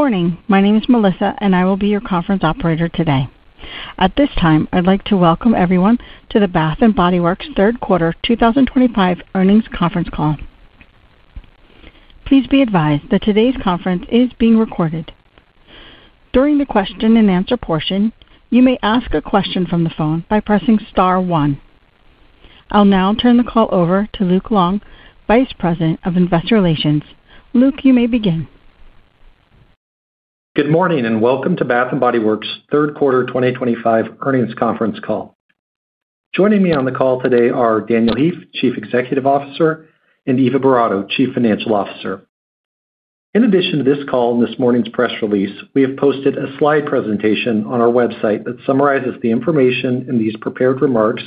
Good morning. My name is Melissa, and I will be your conference operator today. At this time, I'd like to welcome everyone to the Bath & Body Works third quarter 2025 earnings conference call. Please be advised that today's conference is being recorded. During the question-and-answer portion, you may ask a question from the phone by pressing star one. I'll now turn the call over to Luke Long, Vice President of Investor Relations. Luke, you may begin. Good morning and welcome to Bath & Body Works third quarter 2025 earnings conference call. Joining me on the call today are Daniel Heaf, Chief Executive Officer, and Eva Boratto, Chief Financial Officer. In addition to this call and this morning's press release, we have posted a slide presentation on our website that summarizes the information in these prepared remarks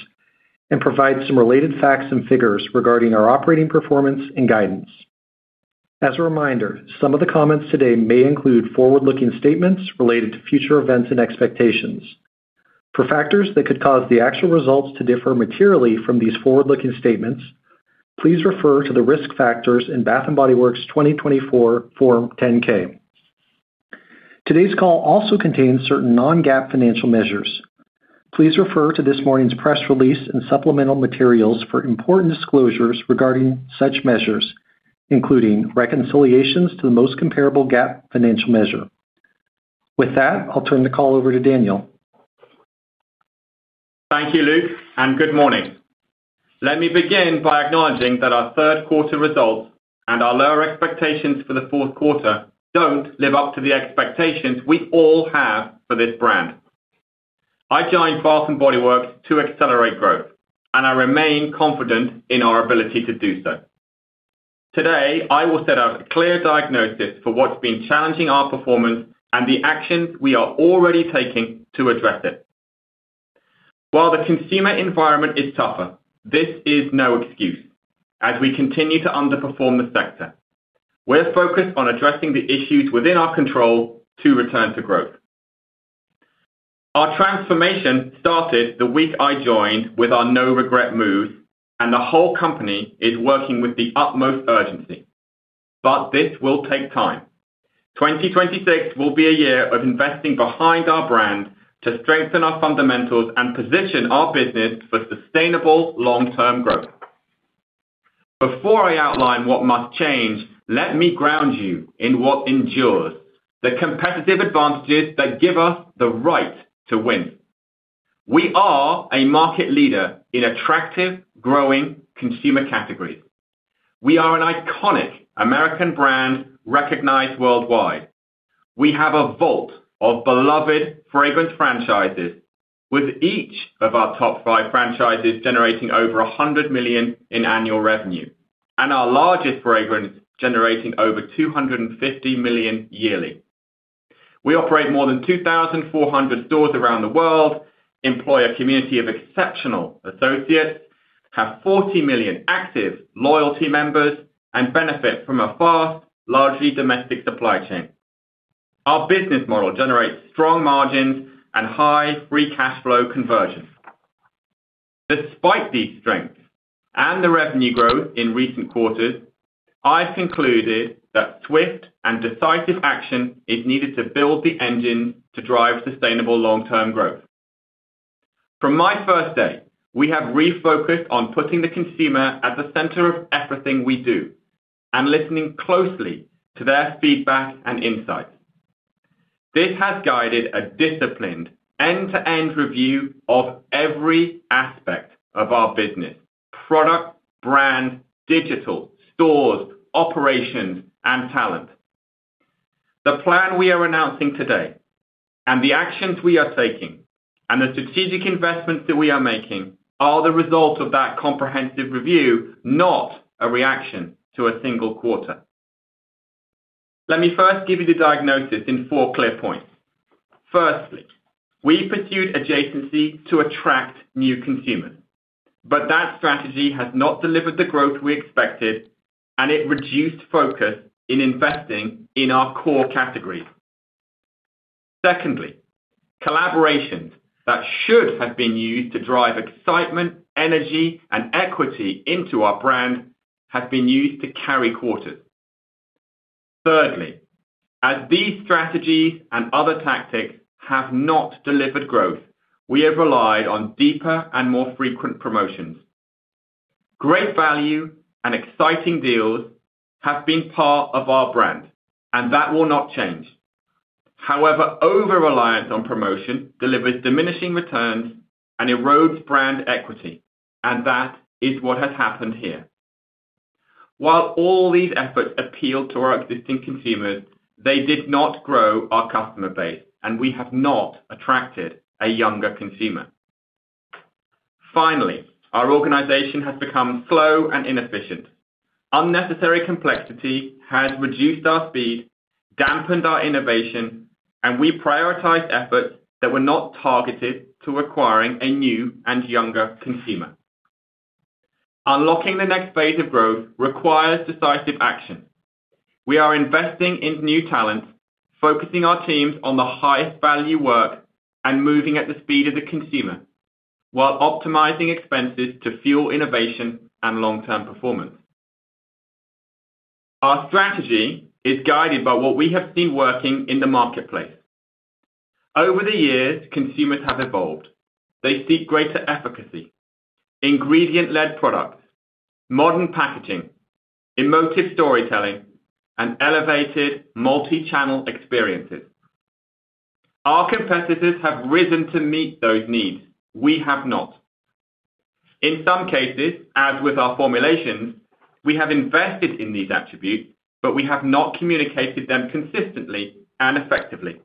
and provides some related facts and figures regarding our operating performance and guidance. As a reminder, some of the comments today may include forward-looking statements related to future events and expectations. For factors that could cause the actual results to differ materially from these forward-looking statements, please refer to the risk factors in Bath & Body Works 2024 Form 10-K. Today's call also contains certain non-GAAP financial measures. Please refer to this morning's press release and supplemental materials for important disclosures regarding such measures, including reconciliations to the most comparable GAAP financial measure. With that, I'll turn the call over to Daniel. Thank you, Luke, and good morning. Let me begin by acknowledging that our third quarter results and our lower expectations for the fourth quarter do not live up to the expectations we all have for this brand. I joined Bath & Body Works to accelerate growth, and I remain confident in our ability to do so. Today, I will set out a clear diagnosis for what has been challenging our performance and the actions we are already taking to address it. While the consumer environment is tougher, this is no excuse as we continue to underperform the sector. We are focused on addressing the issues within our control to return to growth. Our transformation started the week I joined with our no-regret moves, and the whole company is working with the utmost urgency. This will take time. 2026 will be a year of investing behind our brand to strengthen our fundamentals and position our business for sustainable long-term growth. Before I outline what must change, let me ground you in what endures: the competitive advantages that give us the right to win. We are a market leader in attractive, growing consumer categories. We are an iconic American brand recognized worldwide. We have a vault of beloved fragrance franchises, with each of our top five franchises generating over $100 million in annual revenue and our largest fragrance generating over $250 million yearly. We operate more than 2,400 stores around the world, employ a community of exceptional associates, have 40 million active loyalty members, and benefit from a fast, largely domestic supply chain. Our business model generates strong margins and high free cash flow conversions. Despite these strengths and the revenue growth in recent quarters, I've concluded that swift and decisive action is needed to build the engine to drive sustainable long-term growth. From my first day, we have refocused on putting the consumer at the center of everything we do and listening closely to their feedback and insights. This has guided a disciplined end-to-end review of every aspect of our business: product, brand, digital, stores, operations, and talent. The plan we are announcing today, and the actions we are taking, and the strategic investments that we are making are the result of that comprehensive review, not a reaction to a single quarter. Let me first give you the diagnosis in four clear points. Firstly, we pursued adjacency to attract new consumers, but that strategy has not delivered the growth we expected, and it reduced focus in investing in our core categories. Secondly, collaborations that should have been used to drive excitement, energy, and equity into our brand have been used to carry quarters. Thirdly, as these strategies and other tactics have not delivered growth, we have relied on deeper and more frequent promotions. Great value and exciting deals have been part of our brand, and that will not change. However, over-reliance on promotion delivers diminishing returns and erodes brand equity, and that is what has happened here. While all these efforts appealed to our existing consumers, they did not grow our customer base, and we have not attracted a younger consumer. Finally, our organization has become slow and inefficient. Unnecessary complexity has reduced our speed, dampened our innovation, and we prioritized efforts that were not targeted to acquiring a new and younger consumer. Unlocking the next phase of growth requires decisive action. We are investing in new talent, focusing our teams on the highest value work and moving at the speed of the consumer, while optimizing expenses to fuel innovation and long-term performance. Our strategy is guided by what we have seen working in the marketplace. Over the years, consumers have evolved. They seek greater efficacy, ingredient-led products, modern packaging, emotive storytelling, and elevated multi-channel experiences. Our competitors have risen to meet those needs. We have not. In some cases, as with our formulations, we have invested in these attributes, but we have not communicated them consistently and effectively.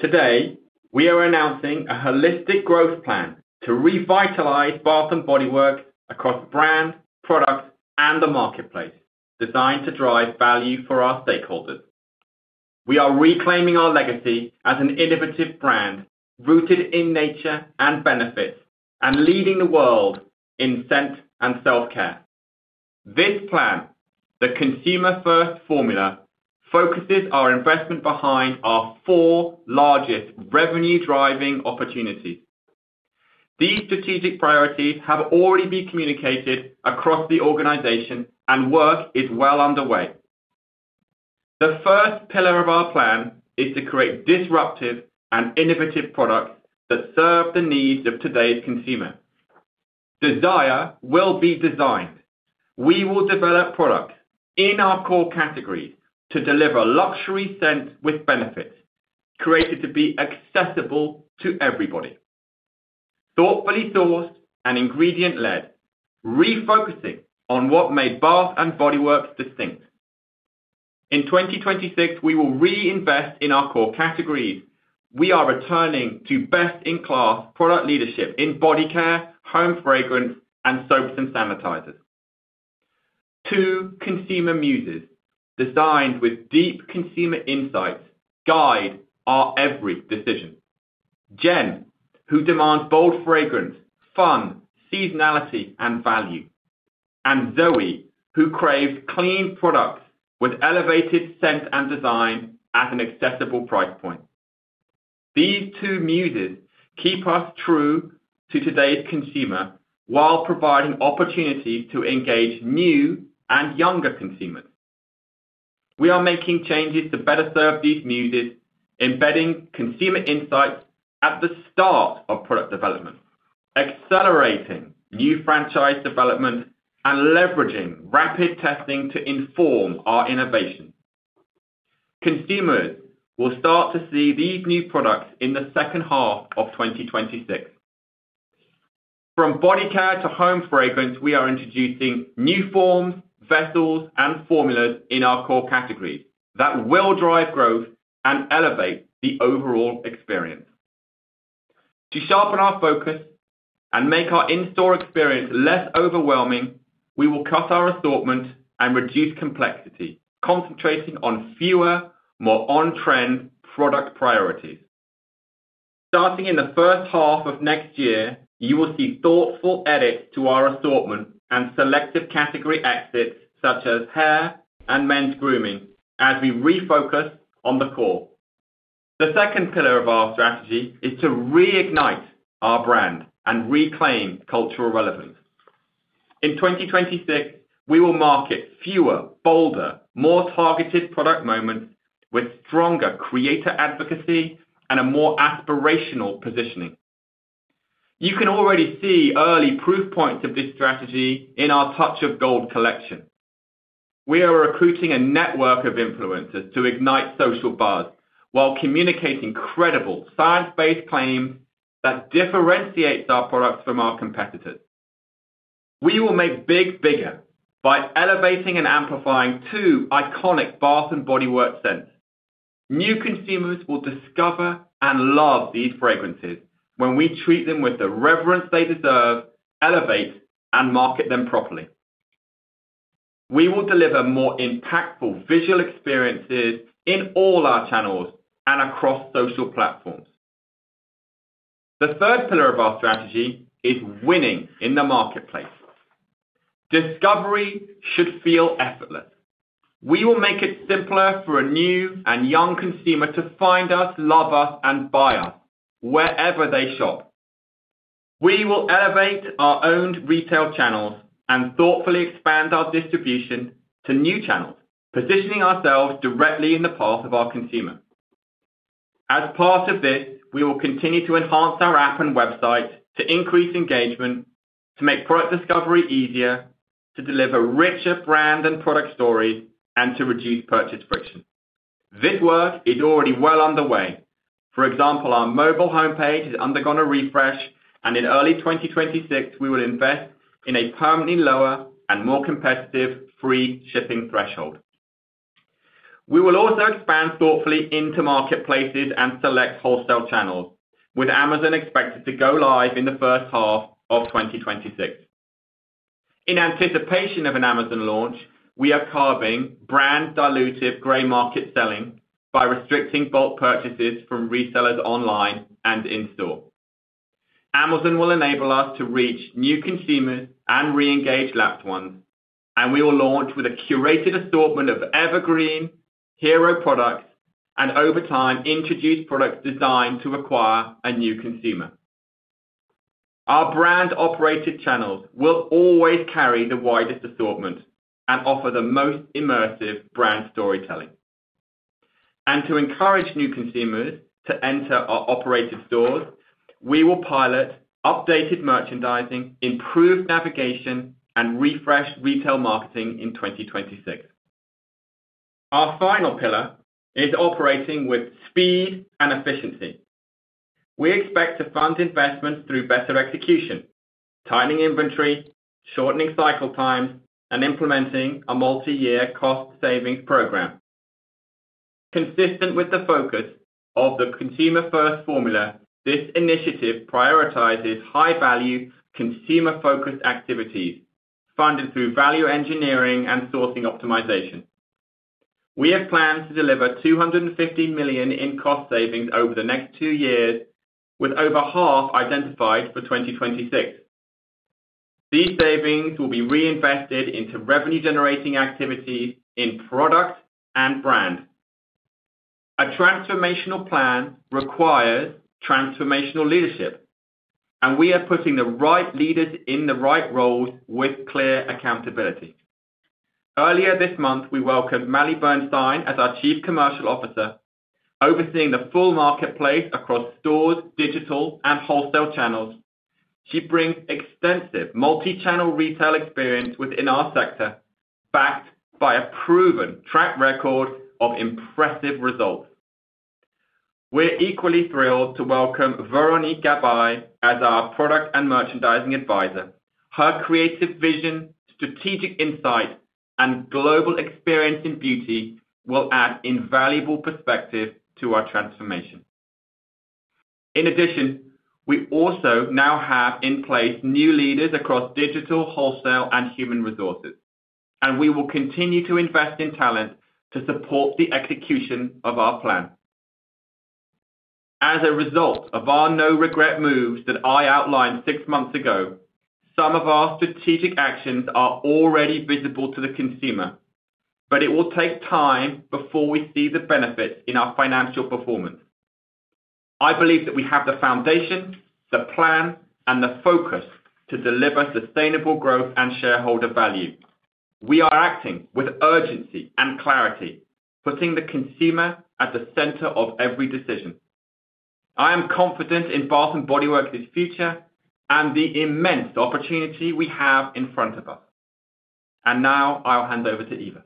Today, we are announcing a holistic growth plan to revitalize Bath & Body Works across the brand, product, and the marketplace, designed to drive value for our stakeholders. We are reclaiming our legacy as an innovative brand rooted in nature and benefits and leading the world in scent and self-care. This plan, the consumer-first formula, focuses our investment behind our four largest revenue-driving opportunities. These strategic priorities have already been communicated across the organization, and work is well underway. The first pillar of our plan is to create disruptive and innovative products that serve the needs of today's consumer. Desire will be designed. We will develop products in our core categories to deliver luxury scents with benefits created to be accessible to everybody. Thoughtfully sourced and ingredient-led, refocusing on what made Bath & Body Works distinct. In 2026, we will reinvest in our core categories. We are returning to best-in-class product leadership in body care, home fragrance, and soaps and sanitizers. Two consumer muses designed with deep consumer insights guide our every decision: Jen, who demands bold fragrance, fun, seasonality, and value; and Zoe, who craves clean products with elevated scent and design at an accessible price point. These two muses keep us true to today's consumer while providing opportunities to engage new and younger consumers. We are making changes to better serve these muses, embedding consumer insights at the start of product development, accelerating new franchise development, and leveraging rapid testing to inform our innovation. Consumers will start to see these new products in the second half of 2026. From body care to home fragrance, we are introducing new forms, vessels, and formulas in our core categories that will drive growth and elevate the overall experience. To sharpen our focus and make our in-store experience less overwhelming, we will cut our assortment and reduce complexity, concentrating on fewer, more on-trend product priorities. Starting in the first half of next year, you will see thoughtful edits to our assortment and selective category exits such as hair and men's grooming as we refocus on the core. The second pillar of our strategy is to reignite our brand and reclaim cultural relevance. In 2026, we will market fewer, bolder, more targeted product moments with stronger creator advocacy and a more aspirational positioning. You can already see early proof points of this strategy in our Touch of Gold collection. We are recruiting a network of influencers to ignite social buzz while communicating credible, science-based claims that differentiate our products from our competitors. We will make Big Bigger by elevating and amplifying two iconic Bath & Body Works scents. New consumers will discover and love these fragrances when we treat them with the reverence they deserve, elevate, and market them properly. We will deliver more impactful visual experiences in all our channels and across social platforms. The third pillar of our strategy is winning in the marketplace. Discovery should feel effortless. We will make it simpler for a new and young consumer to find us, love us, and buy us wherever they shop. We will elevate our owned retail channels and thoughtfully expand our distribution to new channels, positioning ourselves directly in the path of our consumer. As part of this, we will continue to enhance our app and website to increase engagement, to make product discovery easier, to deliver richer brand and product stories, and to reduce purchase friction. This work is already well underway. For example, our mobile homepage has undergone a refresh, and in early 2026, we will invest in a permanently lower and more competitive free shipping threshold. We will also expand thoughtfully into marketplaces and select wholesale channels, with Amazon expected to go live in the first half of 2026. In anticipation of an Amazon launch, we are curbing brand-dilutive gray market selling by restricting bulk purchases from resellers online and in-store. Amazon will enable us to reach new consumers and re-engage loved ones, and we will launch with a curated assortment of evergreen, hero products and over time introduce products designed to acquire a new consumer. Our brand-operated channels will always carry the widest assortment and offer the most immersive brand storytelling. To encourage new consumers to enter our operated stores, we will pilot updated merchandising, improved navigation, and refreshed retail marketing in 2026. Our final pillar is operating with speed and efficiency. We expect to fund investments through better execution, tightening inventory, shortening cycle times, and implementing a multi-year cost-savings program. Consistent with the focus of the consumer-first formula, this initiative prioritizes high-value, consumer-focused activities funded through value engineering and sourcing optimization. We have planned to deliver $250 million in cost savings over the next two years, with over half identified for 2026. These savings will be reinvested into revenue-generating activities in product and brand. A transformational plan requires transformational leadership, and we are putting the right leaders in the right roles with clear accountability. Earlier this month, we welcomed Maly Bernstein as our Chief Commercial Officer, overseeing the full marketplace across stores, digital, and wholesale channels. She brings extensive multi-channel retail experience within our sector, backed by a proven track record of impressive results. We're equally thrilled to welcome Véronique Gabai as our product and merchandising advisor. Her creative vision, strategic insight, and global experience in beauty will add invaluable perspective to our transformation. In addition, we also now have in place new leaders across digital, wholesale, and human resources, and we will continue to invest in talent to support the execution of our plan. As a result of our no-regret moves that I outlined six months ago, some of our strategic actions are already visible to the consumer, but it will take time before we see the benefits in our financial performance. I believe that we have the foundation, the plan, and the focus to deliver sustainable growth and shareholder value. We are acting with urgency and clarity, putting the consumer at the center of every decision. I am confident in Bath & Body Works' future and the immense opportunity we have in front of us. Now, I'll hand over to Eva.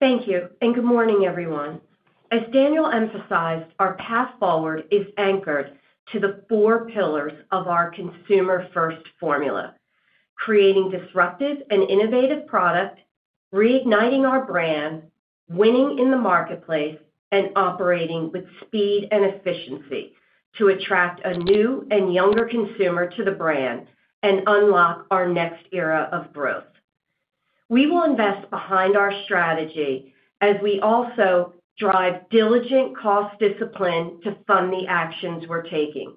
Thank you, and good morning, everyone. As Daniel emphasized, our path forward is anchored to the four pillars of our consumer-first formula: creating disruptive and innovative product, reigniting our brand, winning in the marketplace, and operating with speed and efficiency to attract a new and younger consumer to the brand and unlock our next era of growth. We will invest behind our strategy as we also drive diligent cost discipline to fund the actions we're taking.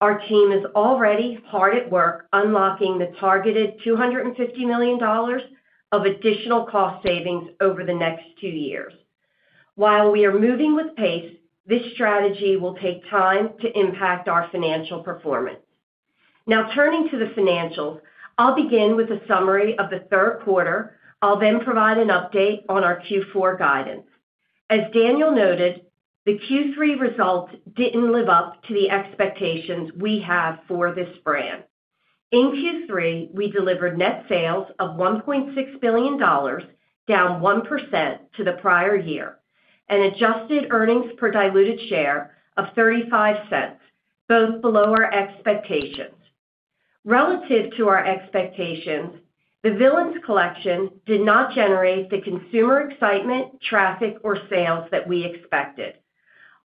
Our team is already hard at work unlocking the targeted $250 million of additional cost savings over the next two years. While we are moving with pace, this strategy will take time to impact our financial performance. Now, turning to the financials, I'll begin with a summary of the third quarter. I'll then provide an update on our Q4 guidance. As Daniel noted, the Q3 results didn't live up to the expectations we have for this brand. In Q3, we delivered net sales of $1.6 billion, down 1% to the prior year, and adjusted earnings per diluted share of 35 cents, both below our expectations. Relative to our expectations, the Villains collection did not generate the consumer excitement, traffic, or sales that we expected.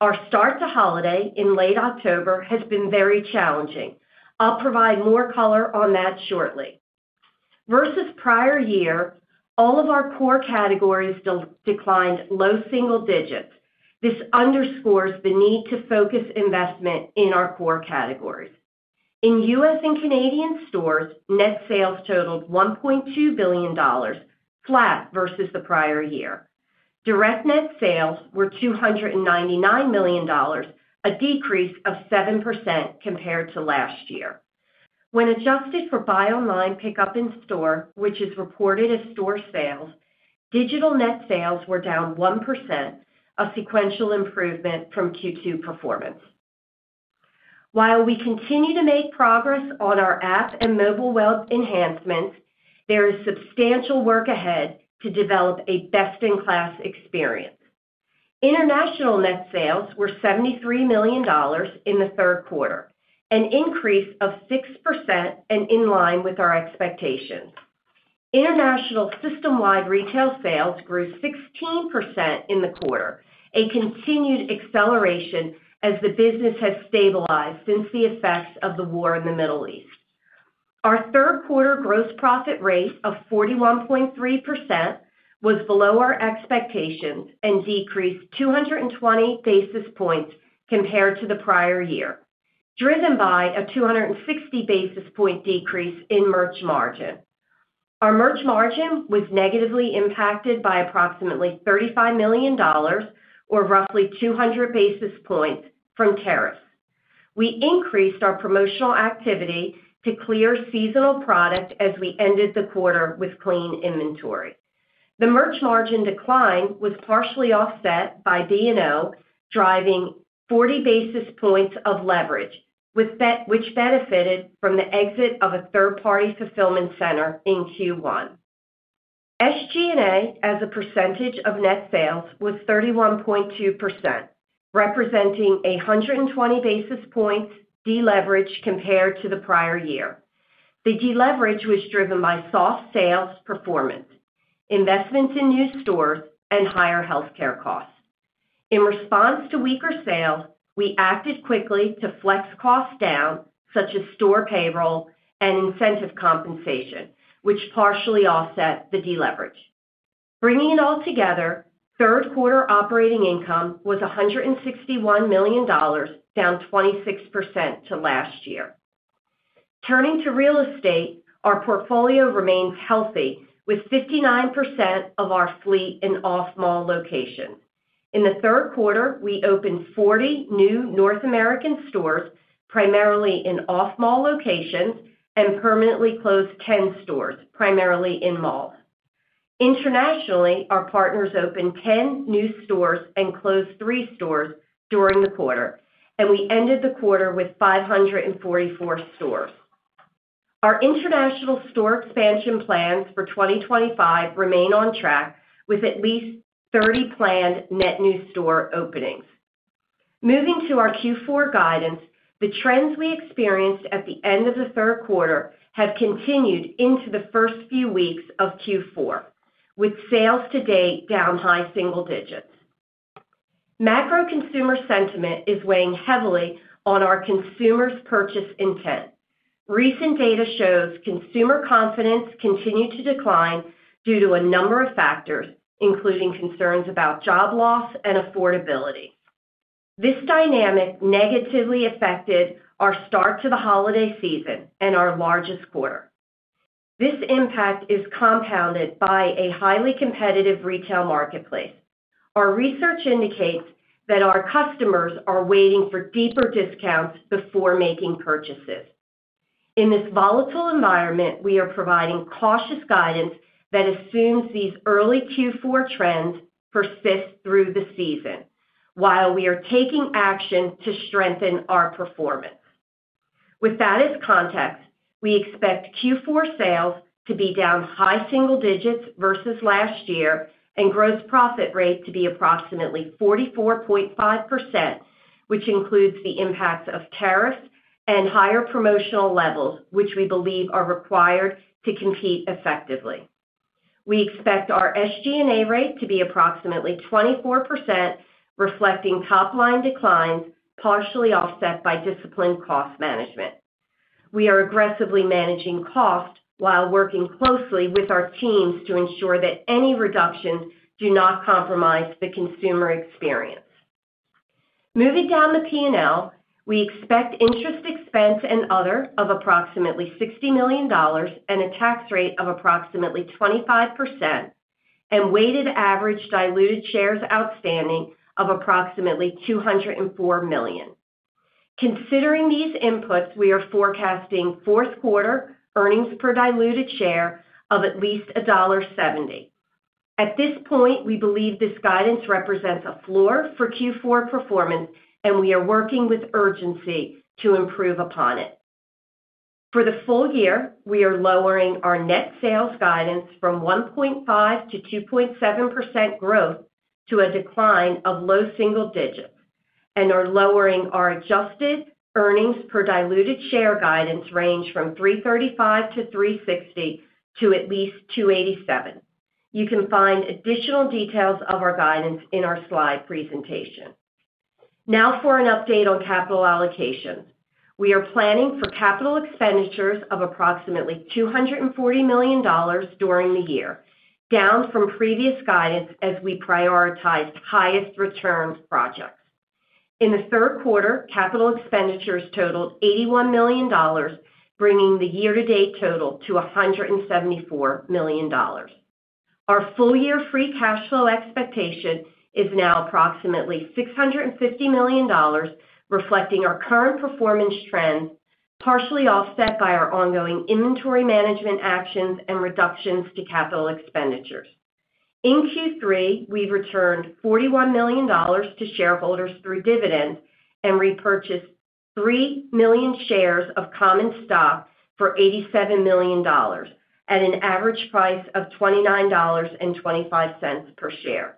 Our start to holiday in late October has been very challenging. I'll provide more color on that shortly. Versus prior year, all of our core categories declined low single digits. This underscores the need to focus investment in our core categories. In U.S. and Canadian stores, net sales totaled $1.2 billion, flat versus the prior year. Direct net sales were $299 million, a decrease of 7% compared to last year. When adjusted for buy-online pickup in store, which is reported as store sales, digital net sales were down 1%, a sequential improvement from Q2 performance. While we continue to make progress on our app and mobile web enhancements, there is substantial work ahead to develop a best-in-class experience. International net sales were $73 million in the third quarter, an increase of 6% and in line with our expectations. International system-wide retail sales grew 16% in the quarter, a continued acceleration as the business has stabilized since the effects of the war in the Middle East. Our third quarter gross profit rate of 41.3% was below our expectations and decreased 220 basis points compared to the prior year, driven by a 260 basis point decrease in merch margin. Our merch margin was negatively impacted by approximately $35 million, or roughly 200 basis points, from tariffs. We increased our promotional activity to clear seasonal product as we ended the quarter with clean inventory. The merch margin decline was partially offset by D&O driving 40 basis points of leverage, which benefited from the exit of a third-party fulfillment center in Q1. SG&A as a percentage of net sales was 31.2%, representing 120 basis points deleveraged compared to the prior year. The deleverage was driven by soft sales performance, investments in new stores, and higher healthcare costs. In response to weaker sales, we acted quickly to flex costs down, such as store payroll and incentive compensation, which partially offset the deleverage. Bringing it all together, third quarter operating income was $161 million, down 26% to last year. Turning to real estate, our portfolio remains healthy, with 59% of our fleet in off-mall locations. In the third quarter, we opened 40 new North American stores, primarily in off-mall locations, and permanently closed 10 stores, primarily in malls. Internationally, our partners opened 10 new stores and closed three stores during the quarter, and we ended the quarter with 544 stores. Our international store expansion plans for 2025 remain on track, with at least 30 planned net new store openings. Moving to our Q4 guidance, the trends we experienced at the end of the third quarter have continued into the first few weeks of Q4, with sales to date down high single digits. Macro consumer sentiment is weighing heavily on our consumer's purchase intent. Recent data shows consumer confidence continued to decline due to a number of factors, including concerns about job loss and affordability. This dynamic negatively affected our start to the holiday season and our largest quarter. This impact is compounded by a highly competitive retail marketplace. Our research indicates that our customers are waiting for deeper discounts before making purchases. In this volatile environment, we are providing cautious guidance that assumes these early Q4 trends persist through the season, while we are taking action to strengthen our performance. With that as context, we expect Q4 sales to be down high single digits versus last year and gross profit rate to be approximately 44.5%, which includes the impacts of tariffs and higher promotional levels, which we believe are required to compete effectively. We expect our SG&A rate to be approximately 24%, reflecting top-line declines partially offset by disciplined cost management. We are aggressively managing cost while working closely with our teams to ensure that any reductions do not compromise the consumer experience. Moving down the P&L, we expect interest expense and other of approximately $60 million and a tax rate of approximately 25%, and weighted average diluted shares outstanding of approximately $204 million. Considering these inputs, we are forecasting fourth quarter earnings per diluted share of at least $1.70. At this point, we believe this guidance represents a floor for Q4 performance, and we are working with urgency to improve upon it. For the full year, we are lowering our net sales guidance from 1.5%-2.7% growth to a decline of low single digits and are lowering our adjusted earnings per diluted share guidance range from $3.35-$3.60 to at least $2.87. You can find additional details of our guidance in our slide presentation. Now, for an update on capital allocations. We are planning for capital expenditures of approximately $240 million during the year, down from previous guidance as we prioritized highest return projects. In the third quarter, capital expenditures totaled $81 million, bringing the year-to-date total to $174 million. Our full-year free cash flow expectation is now approximately $650 million, reflecting our current performance trends, partially offset by our ongoing inventory management actions and reductions to capital expenditures. In Q3, we've returned $41 million to shareholders through dividends and repurchased three million shares of common stock for $87 million at an average price of $29.25 per share.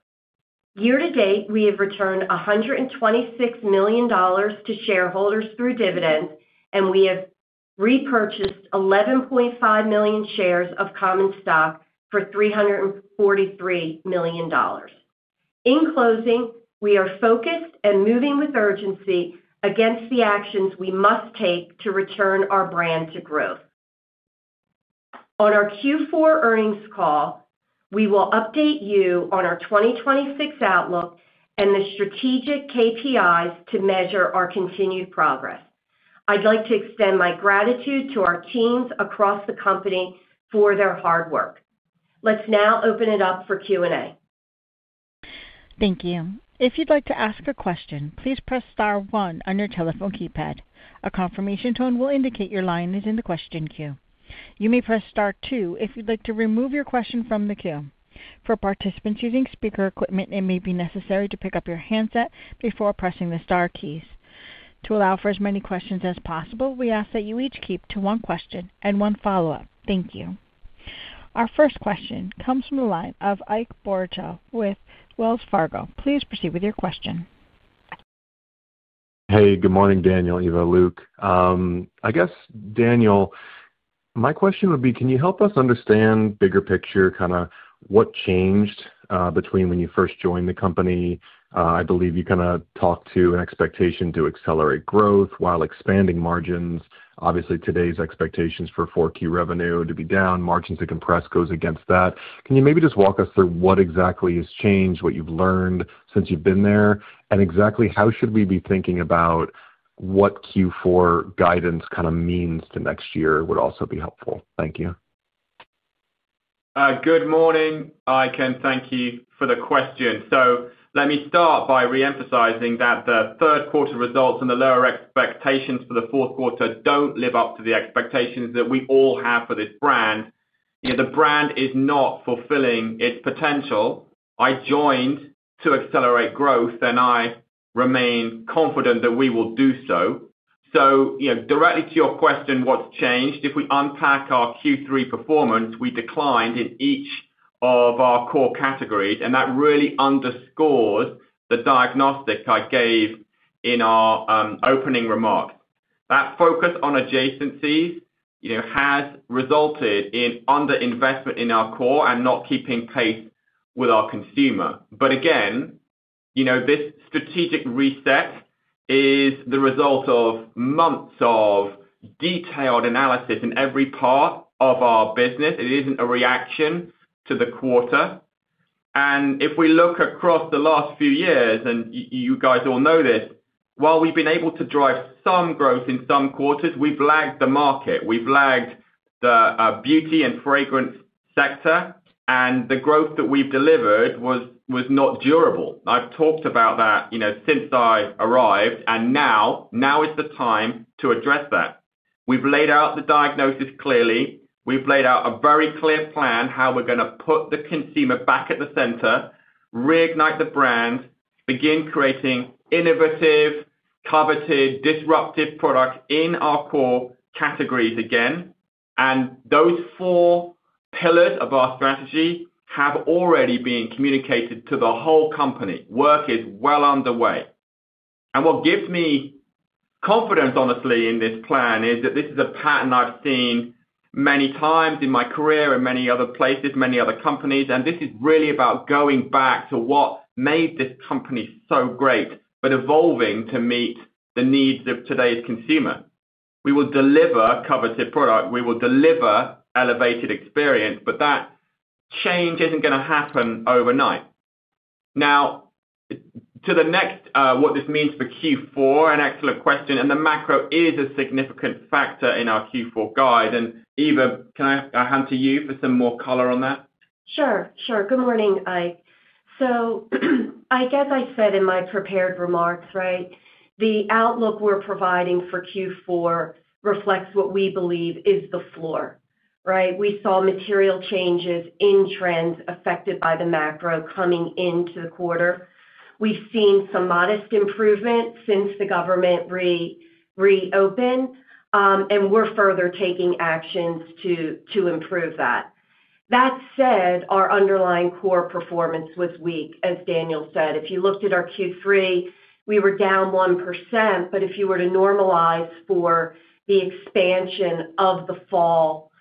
Year-to-date, we have returned $126 million to shareholders through dividends, and we have repurchased 11.5 million shares of common stock for $343 million. In closing, we are focused and moving with urgency against the actions we must take to return our brand to growth. On our Q4 earnings call, we will update you on our 2026 outlook and the strategic KPIs to measure our continued progress. I'd like to extend my gratitude to our teams across the company for their hard work. Let's now open it up for Q&A. Thank you. If you'd like to ask a question, please press Star one on your telephone keypad. A confirmation tone will indicate your line is in the question queue. You may press Star two if you'd like to remove your question from the queue. For participants using speaker equipment, it may be necessary to pick up your handset before pressing the Star keys. To allow for as many questions as possible, we ask that you each keep to one question and one follow-up. Thank you. Our first question comes from the line of Ike Boruchow with Wells Fargo. Please proceed with your question. Hey, good morning, Daniel, Eva, Luke. I guess, Daniel, my question would be, can you help us understand bigger picture, kind of what changed between when you first joined the company? I believe you kind of talked to an expectation to accelerate growth while expanding margins. Obviously, today's expectations for fourth quarter revenue to be down, margins to compress goes against that. Can you maybe just walk us through what exactly has changed, what you've learned since you've been there, and exactly how should we be thinking about what Q4 guidance kind of means to next year would also be helpful? Thank you. Good morning, I can. Thank you for the question. Let me start by reemphasizing that the third quarter results and the lower expectations for the fourth quarter do not live up to the expectations that we all have for this brand. The brand is not fulfilling its potential. I joined to accelerate growth, and I remain confident that we will do so. Directly to your question, what's changed? If we unpack our Q3 performance, we declined in each of our core categories, and that really underscores the diagnostic I gave in our opening remarks. That focus on adjacencies has resulted in underinvestment in our core and not keeping pace with our consumer. Again, this strategic reset is the result of months of detailed analysis in every part of our business. It is not a reaction to the quarter. If we look across the last few years, and you guys all know this, while we have been able to drive some growth in some quarters, we have lagged the market. We have lagged the beauty and fragrance sector, and the growth that we have delivered was not durable. I have talked about that since I arrived, and now is the time to address that. We have laid out the diagnosis clearly. We've laid out a very clear plan how we're going to put the consumer back at the center, reignite the brand, begin creating innovative, coveted, disruptive products in our core categories again. Those four pillars of our strategy have already been communicated to the whole company. Work is well on the way. What gives me confidence, honestly, in this plan is that this is a pattern I've seen many times in my career and many other places, many other companies. This is really about going back to what made this company so great, but evolving to meet the needs of today's consumer. We will deliver coveted product. We will deliver elevated experience, but that change isn't going to happen overnight. Now, to the next, what this means for Q4, an excellent question, and the macro is a significant factor in our Q4 guide. Eva, can I hand to you for some more color on that? Sure. Sure. Good morning, Ike. I guess I said in my prepared remarks, the outlook we're providing for Q4 reflects what we believe is the floor. We saw material changes in trends affected by the macro coming into the quarter. We've seen some modest improvement since the government reopened, and we're further taking actions to improve that. That said, our underlying core performance was weak, as Daniel said. If you looked at our Q3, we were down 1%, but if you were to normalize for the expansion of the fall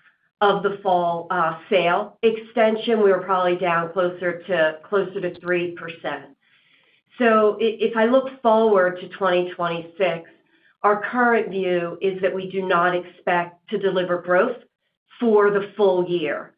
sale extension, we were probably down closer to 3%. If I look forward to 2026, our current view is that we do not expect to deliver growth for the full year.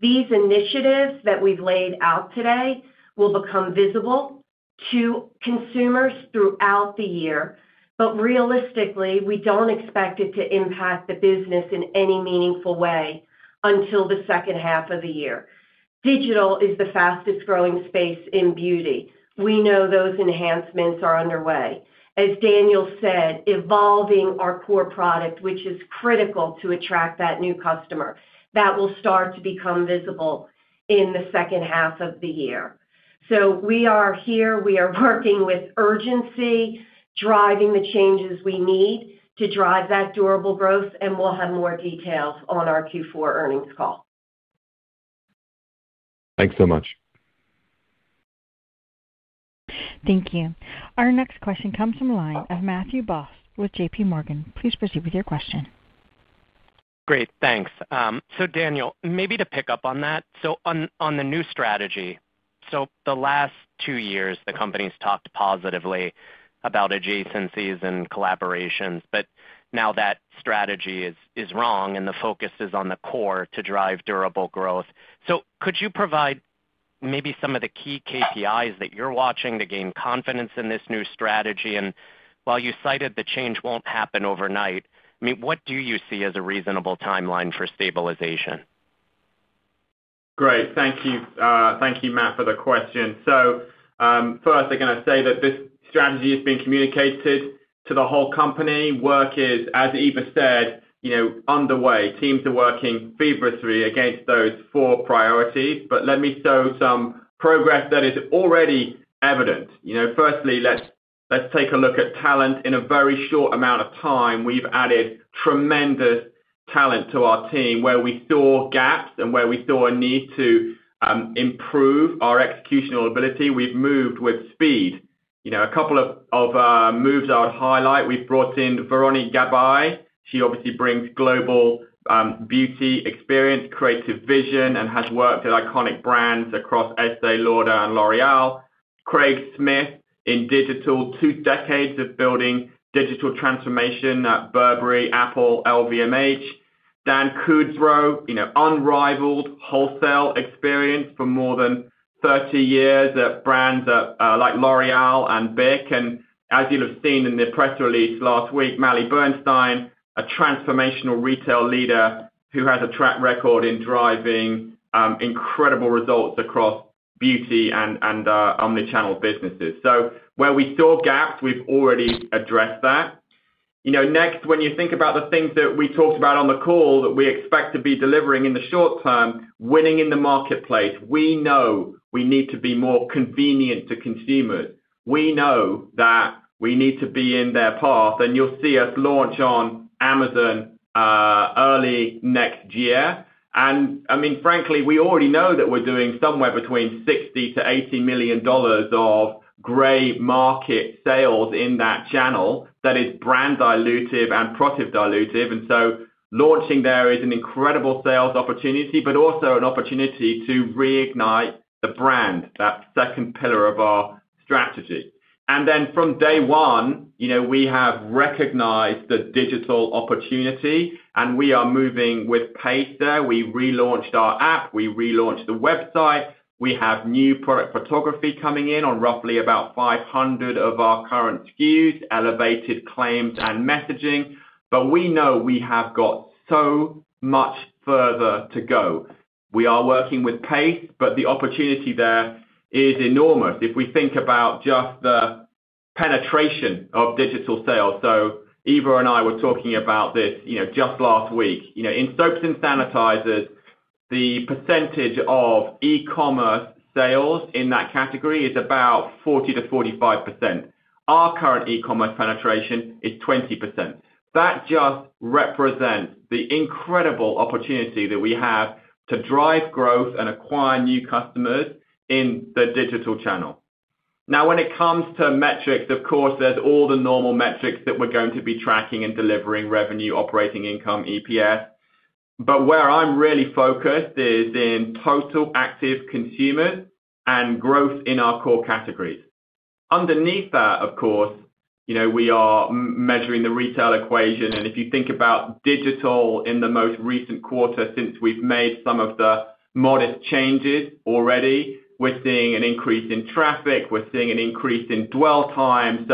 These initiatives that we've laid out today will become visible to consumers throughout the year, but realistically, we don't expect it to impact the business in any meaningful way until the second half of the year. Digital is the fastest growing space in beauty. We know those enhancements are underway. As Daniel said, evolving our core product, which is critical to attract that new customer, that will start to become visible in the second half of the year. We are here. We are working with urgency, driving the changes we need to drive that durable growth, and we'll have more details on our Q4 earnings call. Thanks so much. Thank you. Our next question comes from the line of Matthew Boss with JP Morgan. Please proceed with your question. Great. Thanks. Daniel, maybe to pick up on that, on the new strategy, the last two years, the company's talked positively about adjacencies and collaborations, but now that strategy is wrong, and the focus is on the core to drive durable growth. Could you provide maybe some of the key KPIs that you're watching to gain confidence in this new strategy? While you cited the change won't happen overnight, I mean, what do you see as a reasonable timeline for stabilization? Great. Thank you. Thank you, Matt, for the question. First, I'm going to say that this strategy has been communicated to the whole company. Work is, as Eva said, underway. Teams are working feverishly against those four priorities, but let me show some progress that is already evident. Firstly, let's take a look at talent. In a very short amount of time, we've added tremendous talent to our team where we saw gaps and where we saw a need to improve our executional ability. We've moved with speed. A couple of moves I would highlight. We've brought in Véronique Gabai. She obviously brings global beauty experience, creative vision, and has worked at iconic brands across Estée Lauder and L'Oréal. Craig Smith in digital, two decades of building digital transformation at Burberry, Apple, LVMH. Dan Koudreau, unrivaled wholesale experience for more than 30 years at brands like L'Oréal and BIC. As you'll have seen in the press release last week, Maly Bernstein, a transformational retail leader who has a track record in driving incredible results across beauty and omnichannel businesses. Where we saw gaps, we've already addressed that. Next, when you think about the things that we talked about on the call that we expect to be delivering in the short term, winning in the marketplace, we know we need to be more convenient to consumers. We know that we need to be in their path, and you'll see us launch on Amazon early next year. I mean, frankly, we already know that we're doing somewhere between $60-$80 million of gray market sales in that channel that is brand dilutive and product dilutive. Launching there is an incredible sales opportunity, but also an opportunity to reignite the brand, that second pillar of our strategy. From day one, we have recognized the digital opportunity, and we are moving with pace there. We relaunched our app. We relaunched the website. We have new product photography coming in on roughly about 500 of our current SKUs, elevated claims and messaging. We know we have got so much further to go. We are working with pace, but the opportunity there is enormous if we think about just the penetration of digital sales. Eva and I were talking about this just last week. In soaps and sanitizers, the percentage of e-commerce sales in that category is about 40%-45%. Our current e-commerce penetration is 20%. That just represents the incredible opportunity that we have to drive growth and acquire new customers in the digital channel. Now, when it comes to metrics, of course, there are all the normal metrics that we are going to be tracking and delivering revenue, operating income, EPS. Where I am really focused is in total active consumers and growth in our core categories. Underneath that, of course, we are measuring the retail equation. If you think about digital in the most recent quarter since we've made some of the modest changes already, we're seeing an increase in traffic. We're seeing an increase in dwell time.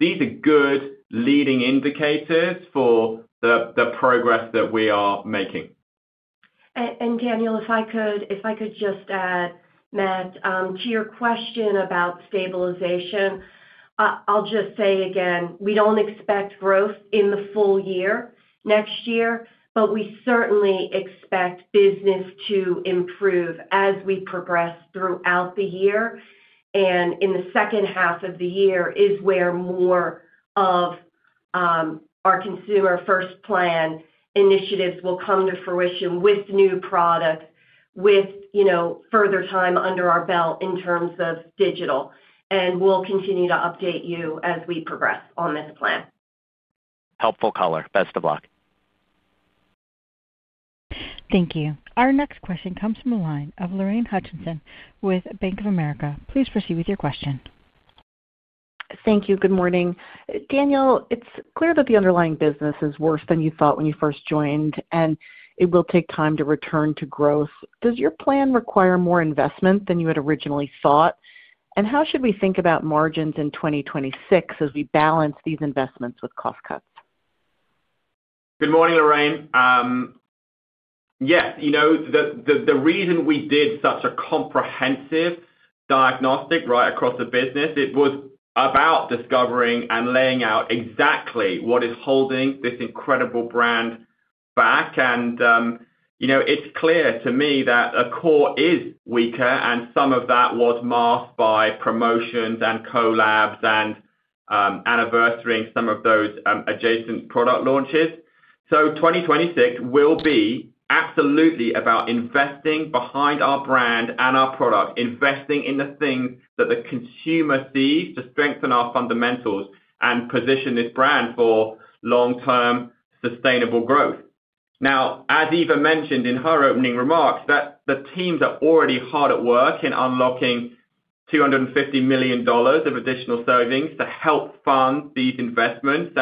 These are good leading indicators for the progress that we are making. Daniel, if I could just add, Matt, to your question about stabilization, I'll just say again, we don't expect growth in the full year next year, but we certainly expect business to improve as we progress throughout the year. In the second half of the year is where more of our consumer-first plan initiatives will come to fruition with new products, with further time under our belt in terms of digital. We'll continue to update you as we progress on this plan. Helpful color. Best of luck. Thank you. Our next question comes from the line of Lorraine Hutchinson with Bank of America. Please proceed with your question. Thank you. Good morning. Daniel, it's clear that the underlying business is worse than you thought when you first joined, and it will take time to return to growth. Does your plan require more investment than you had originally thought? How should we think about margins in 2026 as we balance these investments with cost cuts? Good morning, Lorraine. Yes. The reason we did such a comprehensive diagnostic right across the business, it was about discovering and laying out exactly what is holding this incredible brand back. It is clear to me that the core is weaker, and some of that was masked by promotions and collabs and anniversary and some of those adjacent product launches. 2026 will be absolutely about investing behind our brand and our product, investing in the things that the consumer sees to strengthen our fundamentals and position this brand for long-term sustainable growth. Now, as Eva mentioned in her opening remarks, the teams are already hard at work in unlocking $250 million of additional savings to help fund these investments.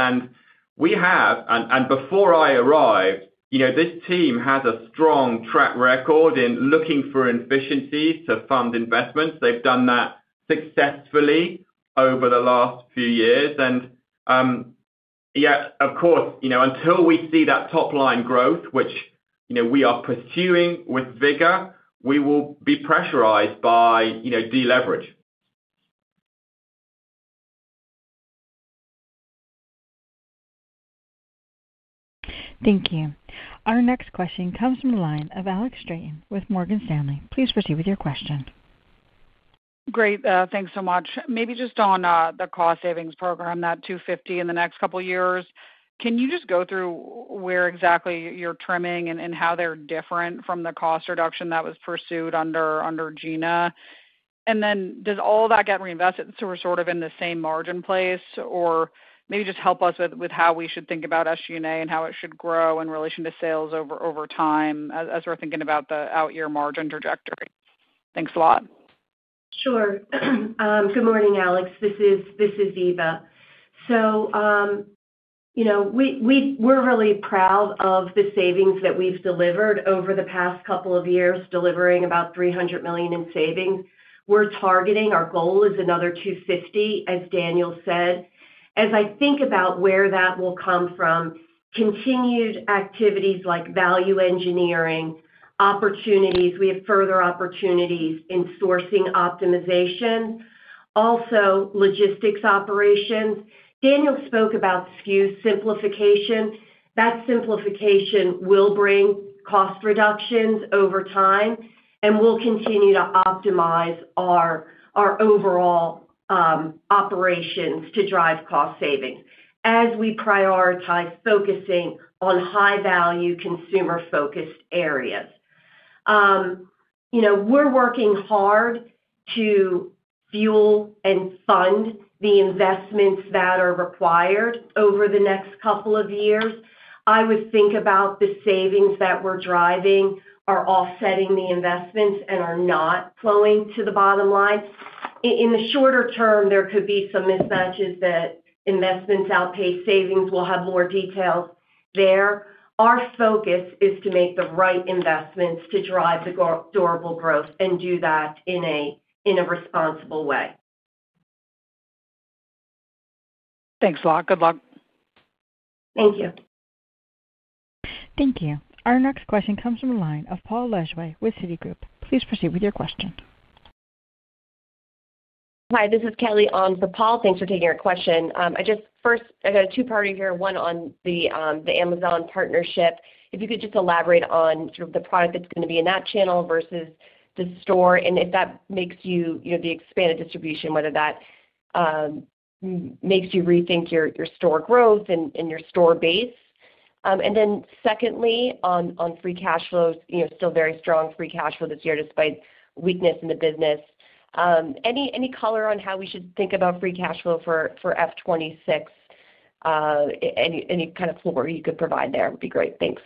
We have, and before I arrived, this team has a strong track record in looking for efficiencies to fund investments. They've done that successfully over the last few years. Of course, until we see that top-line growth, which we are pursuing with vigor, we will be pressurized by deleverage. Thank you. Our next question comes from the line of Alex Straton with Morgan Stanley. Please proceed with your question. Great. Thanks so much. Maybe just on the cost savings program, that $250 million in the next couple of years, can you just go through where exactly you're trimming and how they're different from the cost reduction that was pursued under Gina? Does all that get reinvested so we're sort of in the same margin place? Maybe just help us with how we should think about SG&A and how it should grow in relation to sales over time as we're thinking about the out-year margin trajectory. Thanks a lot. Sure. Good morning, Alex. This is Eva. We're really proud of the savings that we've delivered over the past couple of years, delivering about $300 million in savings. We're targeting our goal is another $250 million, as Daniel said. As I think about where that will come from, continued activities like value engineering, opportunities, we have further opportunities in sourcing optimization, also logistics operations. Daniel spoke about SKU simplification. That simplification will bring cost reductions over time, and we'll continue to optimize our overall operations to drive cost savings as we prioritize focusing on high-value consumer-focused areas. We're working hard to fuel and fund the investments that are required over the next couple of years. I would think about the savings that we're driving are offsetting the investments and are not flowing to the bottom line. In the shorter term, there could be some mismatches that investments outpace savings. We'll have more details there. Our focus is to make the right investments to drive the durable growth and do that in a responsible way. Thanks a lot. Good luck. Thank you. Thank you. Our next question comes from the line of Paul Lejuez with Citigroup. Please proceed with your question. Hi, this is Kelly on for Paul. Thanks for taking our question. I just first, I got a two-parter here, one on the Amazon partnership. If you could just elaborate on sort of the product that's going to be in that channel versus the store, and if that makes you the expanded distribution, whether that makes you rethink your store growth and your store base. Secondly, on free cash flows, still very strong free cash flow this year despite weakness in the business. Any color on how we should think about free cash flow for F2026? Any kind of floor you could provide there would be great. Thanks.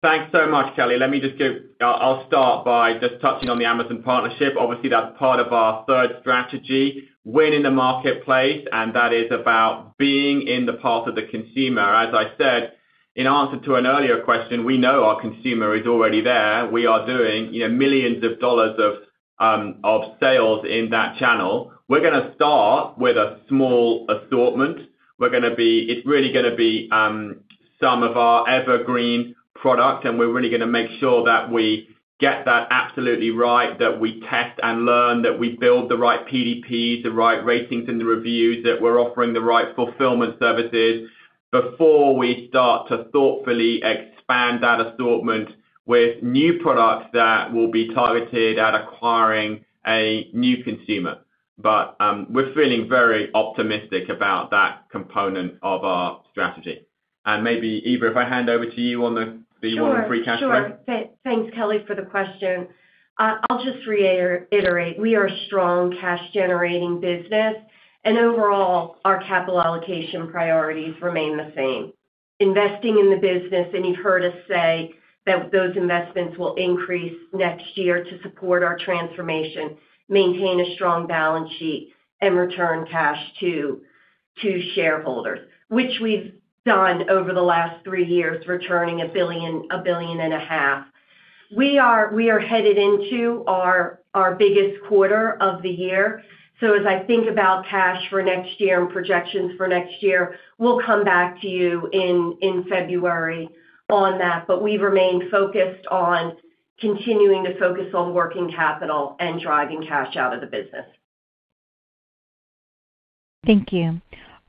Thanks so much, Kelly. Let me just give I'll start by just touching on the Amazon partnership. Obviously, that's part of our third strategy, winning the marketplace, and that is about being in the path of the consumer. As I said, in answer to an earlier question, we know our consumer is already there. We are doing millions of dollars of sales in that channel. We're going to start with a small assortment. It's really going to be some of our evergreen products, and we're really going to make sure that we get that absolutely right, that we test and learn, that we build the right PDPs, the right ratings in the reviews, that we're offering the right fulfillment services before we start to thoughtfully expand that assortment with new products that will be targeted at acquiring a new consumer. We're feeling very optimistic about that component of our strategy. Maybe, Eva, if I hand over to you on the free cash flow. Sure. Thanks, Kelly, for the question. I'll just reiterate. We are a strong cash-generating business, and overall, our capital allocation priorities remain the same. Investing in the business, and you've heard us say that those investments will increase next year to support our transformation, maintain a strong balance sheet, and return cash to shareholders, which we've done over the last three years, returning $1.5 billion. We are headed into our biggest quarter of the year. As I think about cash for next year and projections for next year, we'll come back to you in February on that. We've remained focused on continuing to focus on working capital and driving cash out of the business. Thank you.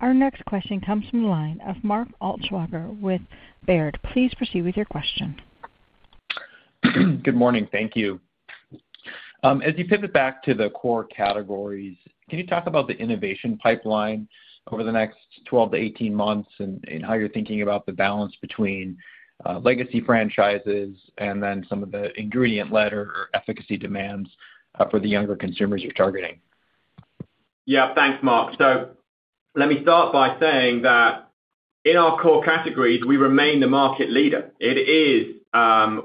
Our next question comes from the line of Mark Altschwager with Baird. Please proceed with your question. Good morning. Thank you. As you pivot back to the core categories, can you talk about the innovation pipeline over the next 12 months to 18 months and how you're thinking about the balance between legacy franchises and then some of the ingredient letter or efficacy demands for the younger consumers you're targeting? Yeah. Thanks, Mark. Let me start by saying that in our core categories, we remain the market leader. It is,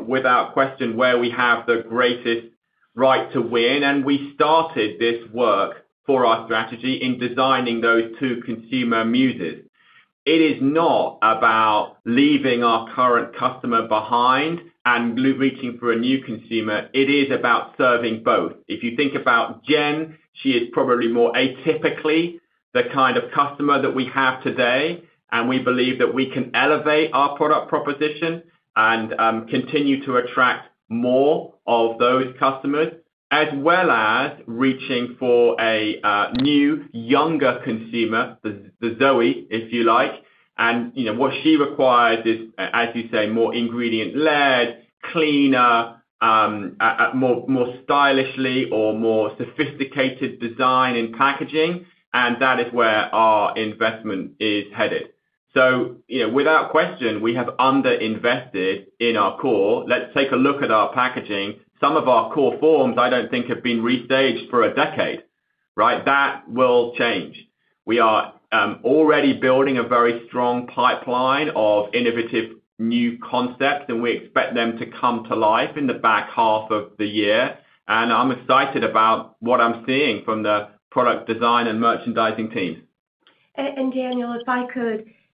without question, where we have the greatest right to win. We started this work for our strategy in designing those two consumer muses. It is not about leaving our current customer behind and reaching for a new consumer. It is about serving both. If you think about Jen, she is probably more atypically the kind of customer that we have today. We believe that we can elevate our product proposition and continue to attract more of those customers, as well as reaching for a new, younger consumer, the Zoe, if you like. What she requires is, as you say, more ingredient-led, cleaner, more stylishly, or more sophisticated design and packaging. That is where our investment is headed. Without question, we have underinvested in our core. Let's take a look at our packaging. Some of our core forms, I do not think, have been restaged for a decade, right? That will change. We are already building a very strong pipeline of innovative new concepts, and we expect them to come to life in the back half of the year. I am excited about what I am seeing from the product design and merchandising teams. Daniel,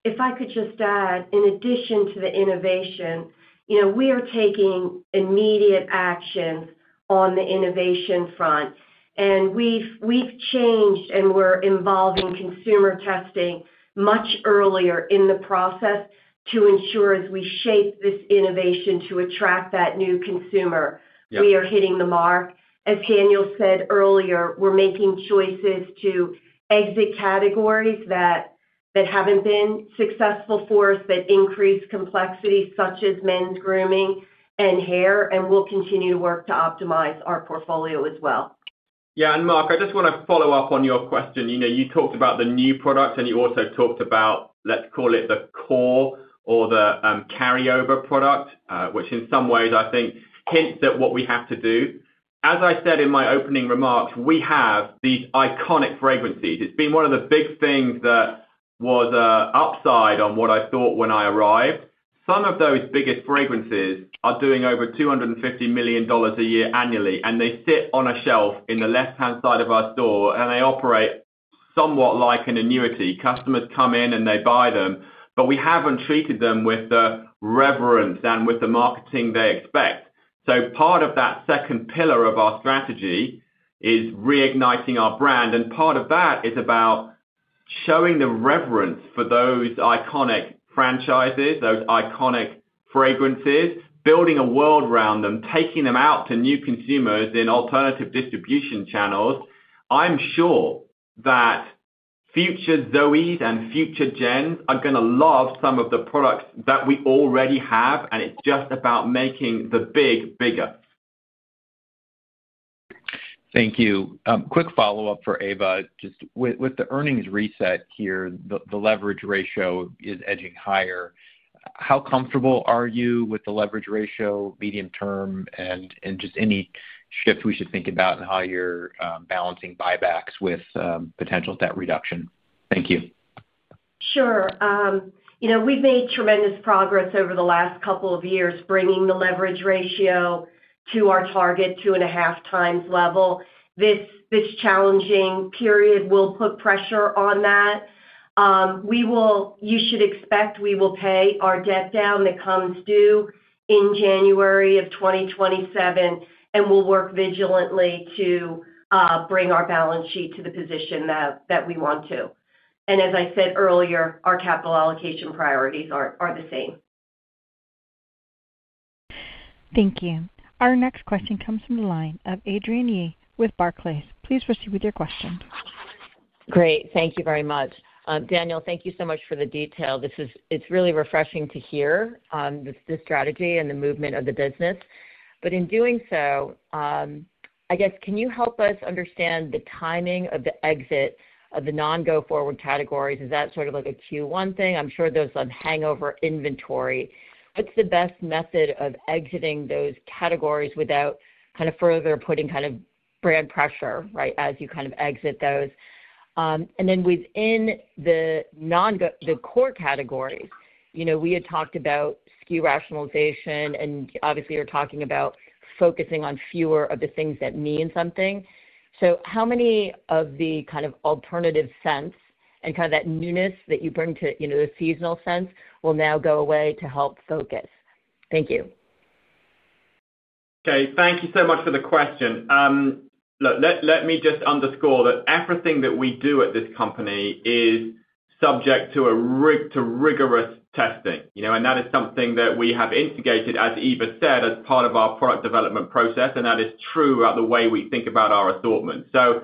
if I could just add, in addition to the innovation, we are taking immediate actions on the innovation front. We have changed, and we are involving consumer testing much earlier in the process to ensure as we shape this innovation to attract that new consumer, we are hitting the mark. As Daniel said earlier, we are making choices to exit categories that have not been successful for us, that increase complexity, such as men's grooming and hair. We will continue to work to optimize our portfolio as well. Yeah. Mark, I just want to follow up on your question. You talked about the new product, and you also talked about, let's call it the core or the carryover product, which in some ways, I think, hints at what we have to do. As I said in my opening remarks, we have these iconic fragrances. It's been one of the big things that was an upside on what I thought when I arrived. Some of those biggest fragrances are doing over $250 million a year annually, and they sit on a shelf in the left-hand side of our store, and they operate somewhat like an annuity. Customers come in, and they buy them, but we haven't treated them with the reverence and with the marketing they expect. Part of that second pillar of our strategy is reigniting our brand. Part of that is about showing the reverence for those iconic franchises, those iconic fragrances, building a world around them, taking them out to new consumers in alternative distribution channels. I'm sure that future Zoes and future Jens are going to love some of the products that we already have, and it's just about making the big bigger. Thank you. Quick follow-up for Eva. Just with the earnings reset here, the leverage ratio is edging higher. How comfortable are you with the leverage ratio, medium term, and just any shift we should think about in how you're balancing buybacks with potential debt reduction? Thank you. Sure. We've made tremendous progress over the last couple of years bringing the leverage ratio to our target, two and a half times level. This challenging period will put pressure on that. You should expect we will pay our debt down that comes due in January of 2027, and we'll work vigilantly to bring our balance sheet to the position that we want to. As I said earlier, our capital allocation priorities are the same. Thank you. Our next question comes from the line of Adrienne Yih with Barclays. Please proceed with your question. Great. Thank you very much. Daniel, thank you so much for the detail. It's really refreshing to hear the strategy and the movement of the business. In doing so, I guess, can you help us understand the timing of the exit of the non-go-forward categories? Is that sort of like a Q1 thing? I'm sure there's some hangover inventory. What's the best method of exiting those categories without kind of further putting kind of brand pressure, right, as you kind of exit those? Within the core categories, we had talked about SKU rationalization, and obviously, you're talking about focusing on fewer of the things that mean something. How many of the kind of alternative scents and kind of that newness that you bring to the seasonal scents will now go away to help focus? Thank you. Okay. Thank you so much for the question. Look, let me just underscore that everything that we do at this company is subject to rigorous testing. That is something that we have instigated, as Eva said, as part of our product development process, and that is true about the way we think about our assortment. We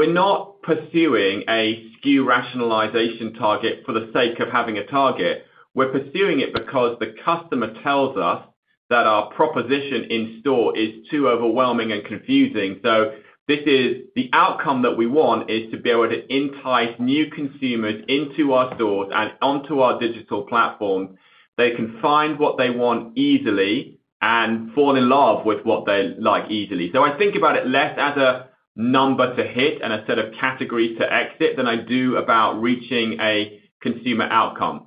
are not pursuing a SKU rationalization target for the sake of having a target. We are pursuing it because the customer tells us that our proposition in store is too overwhelming and confusing. The outcome that we want is to be able to entice new consumers into our stores and onto our digital platform. They can find what they want easily and fall in love with what they like easily. I think about it less as a number to hit and a set of categories to exit than I do about reaching a consumer outcome.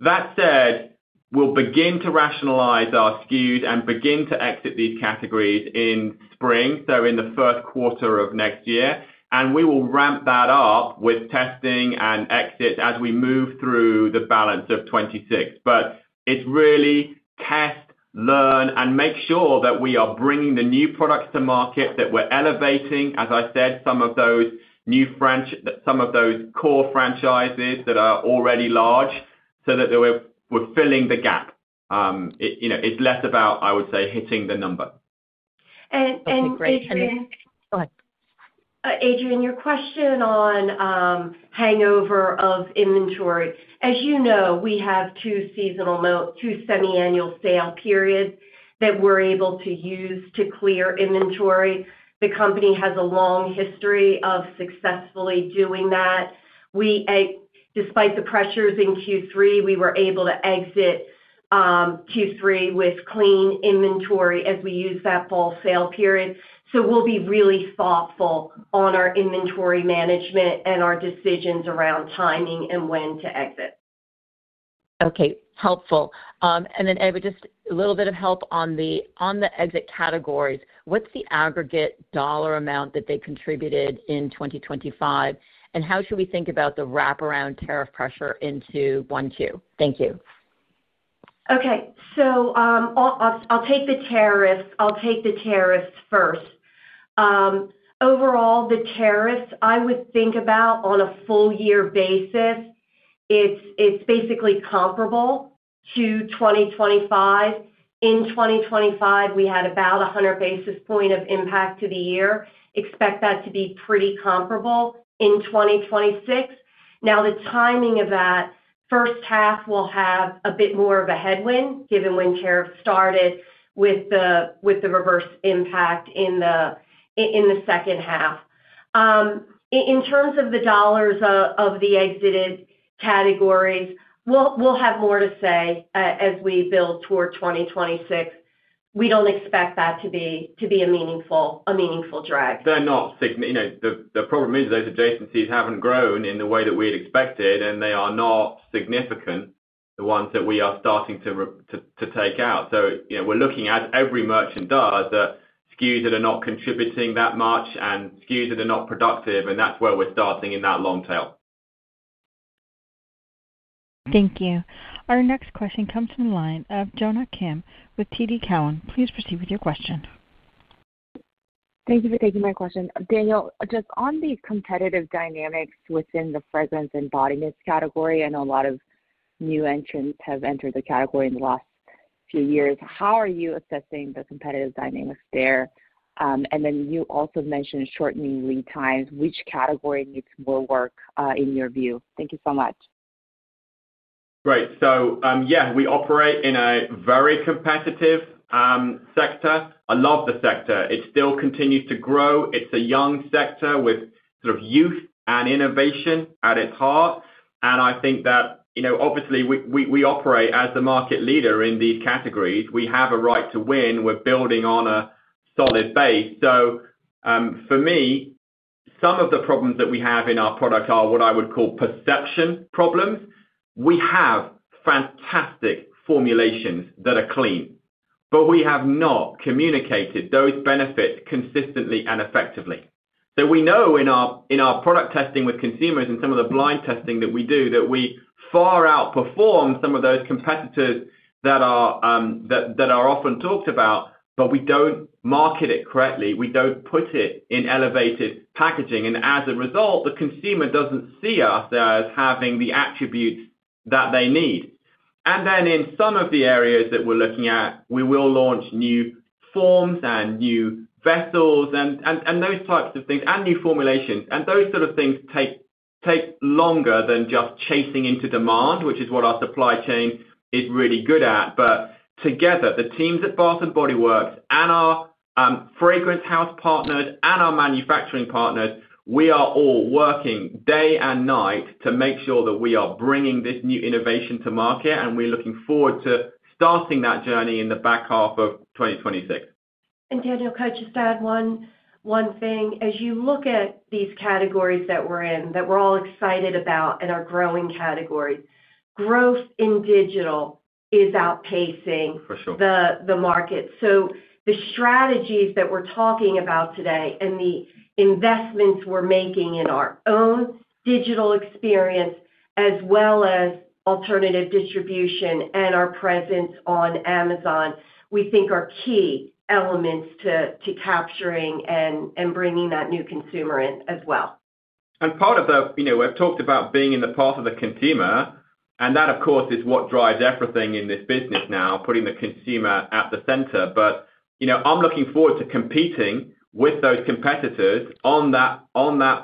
That said, we will begin to rationalize our SKUs and begin to exit these categories in spring, so in the first quarter of next year. We will ramp that up with testing and exits as we move through the balance of 2026. It is really test, learn, and make sure that we are bringing the new products to market, that we are elevating, as I said, some of those new, some of those core franchises that are already large so that we are filling the gap. It is less about, I would say, hitting the number. Adrian, your question on hangover of inventory. As you know, we have two seasonal, two semi-annual sale periods that we are able to use to clear inventory. The company has a long history of successfully doing that. Despite the pressures in Q3, we were able to exit Q3 with clean inventory as we used that fall sale period. We will be really thoughtful on our inventory management and our decisions around timing and when to exit. Okay. Helpful. Then, Eva, just a little bit of help on the exit categories. What is the aggregate dollar amount that they contributed in 2025? How should we think about the wraparound tariff pressure into 2022? Thank you. Okay. I will take the tariffs. I will take the tariffs first. Overall, the tariffs, I would think about on a full-year basis, it is basically comparable to 2025. In 2025, we had about a 100 basis point impact to the year. Expect that to be pretty comparable in 2026. Now, the timing of that first half will have a bit more of a headwind, given when tariffs started with the reverse impact in the second half. In terms of the dollars of the exited categories, we'll have more to say as we build toward 2026. We don't expect that to be a meaningful drag. They're not. The problem is those adjacencies haven't grown in the way that we had expected, and they are not significant, the ones that we are starting to take out. We are looking at every merchant that are SKUs that are not contributing that much and SKUs that are not productive, and that's where we're starting in that long tail. Thank you. Our next question comes from the line of Jonna Kim with TD Cowen. Please proceed with your question. Thank you for taking my question. Daniel, just on the competitive dynamics within the fragrance and body mist category, I know a lot of new entrants have entered the category in the last few years. How are you assessing the competitive dynamics there? You also mentioned shortening lead times. Which category needs more work in your view? Thank you so much. Great. Yeah, we operate in a very competitive sector. I love the sector. It still continues to grow. It's a young sector with sort of youth and innovation at its heart. I think that, obviously, we operate as the market leader in these categories. We have a right to win. We're building on a solid base. For me, some of the problems that we have in our product are what I would call perception problems. We have fantastic formulations that are clean, but we have not communicated those benefits consistently and effectively. We know in our product testing with consumers and some of the blind testing that we do that we far outperform some of those competitors that are often talked about, but we do not market it correctly. We do not put it in elevated packaging. As a result, the consumer does not see us as having the attributes that they need. In some of the areas that we are looking at, we will launch new forms and new vessels and those types of things and new formulations. Those sort of things take longer than just chasing into demand, which is what our supply chain is really good at. Together, the teams at Bath & Body Works and our fragrance house partners and our manufacturing partners, we are all working day and night to make sure that we are bringing this new innovation to market, and we are looking forward to starting that journey in the back half of 2026. Daniel, could you just add one thing? As you look at these categories that we are in, that we are all excited about and are growing categories, growth in digital is outpacing the market. The strategies that we are talking about today and the investments we are making in our own digital experience, as well as alternative distribution and our presence on Amazon, we think are key elements to capturing and bringing that new consumer in as well. Part of the we've talked about being in the path of the consumer, and that, of course, is what drives everything in this business now, putting the consumer at the center. I'm looking forward to competing with those competitors on that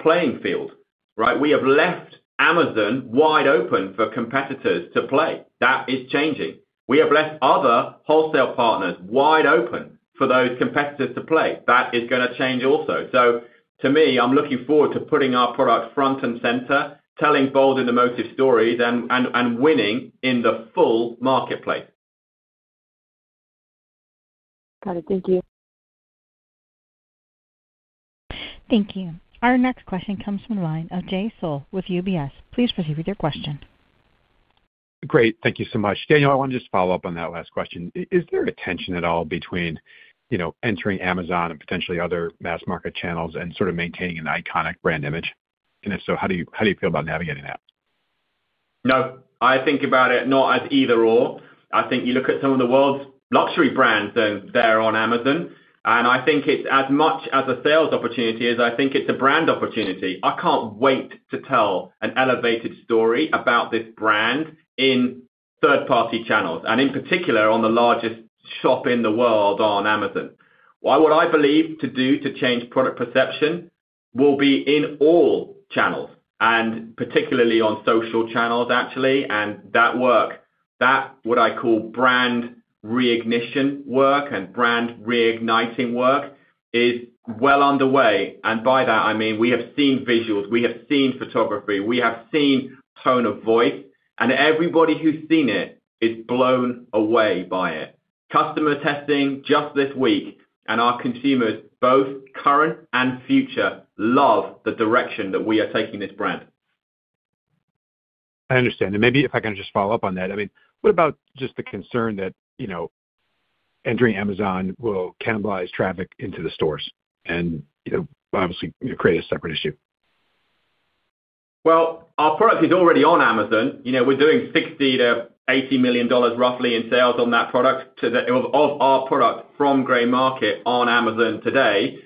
playing field, right? We have left Amazon wide open for competitors to play. That is changing. We have left other wholesale partners wide open for those competitors to play. That is going to change also. To me, I'm looking forward to putting our product front and center, telling bold and emotive stories, and winning in the full marketplace. Got it. Thank you. Thank you. Our next question comes from the line of Jay Sole with UBS. Please proceed with your question. Great. Thank you so much. Daniel, I wanted to just follow up on that last question. Is there a tension at all between entering Amazon and potentially other mass market channels and sort of maintaining an iconic brand image? If so, how do you feel about navigating that? No. I think about it not as either/or. I think you look at some of the world's luxury brands that are on Amazon, and I think it is as much as a sales opportunity as I think it is a brand opportunity. I cannot wait to tell an elevated story about this brand in third-party channels, and in particular, on the largest shop in the world on Amazon. What I believe to do to change product perception will be in all channels, and particularly on social channels, actually. That work, that what I call brand reignition work and brand reigniting work, is well underway. By that, I mean we have seen visuals. We have seen photography. We have seen tone of voice. And everybody who's seen it is blown away by it. Customer testing just this week, and our consumers, both current and future, love the direction that we are taking this brand. I understand. And maybe if I can just follow up on that, I mean, what about just the concern that entering Amazon will cannibalize traffic into the stores and obviously create a separate issue? Our product is already on Amazon. We're doing $60 million-$80 million roughly in sales on that product of our product from gray market on Amazon today.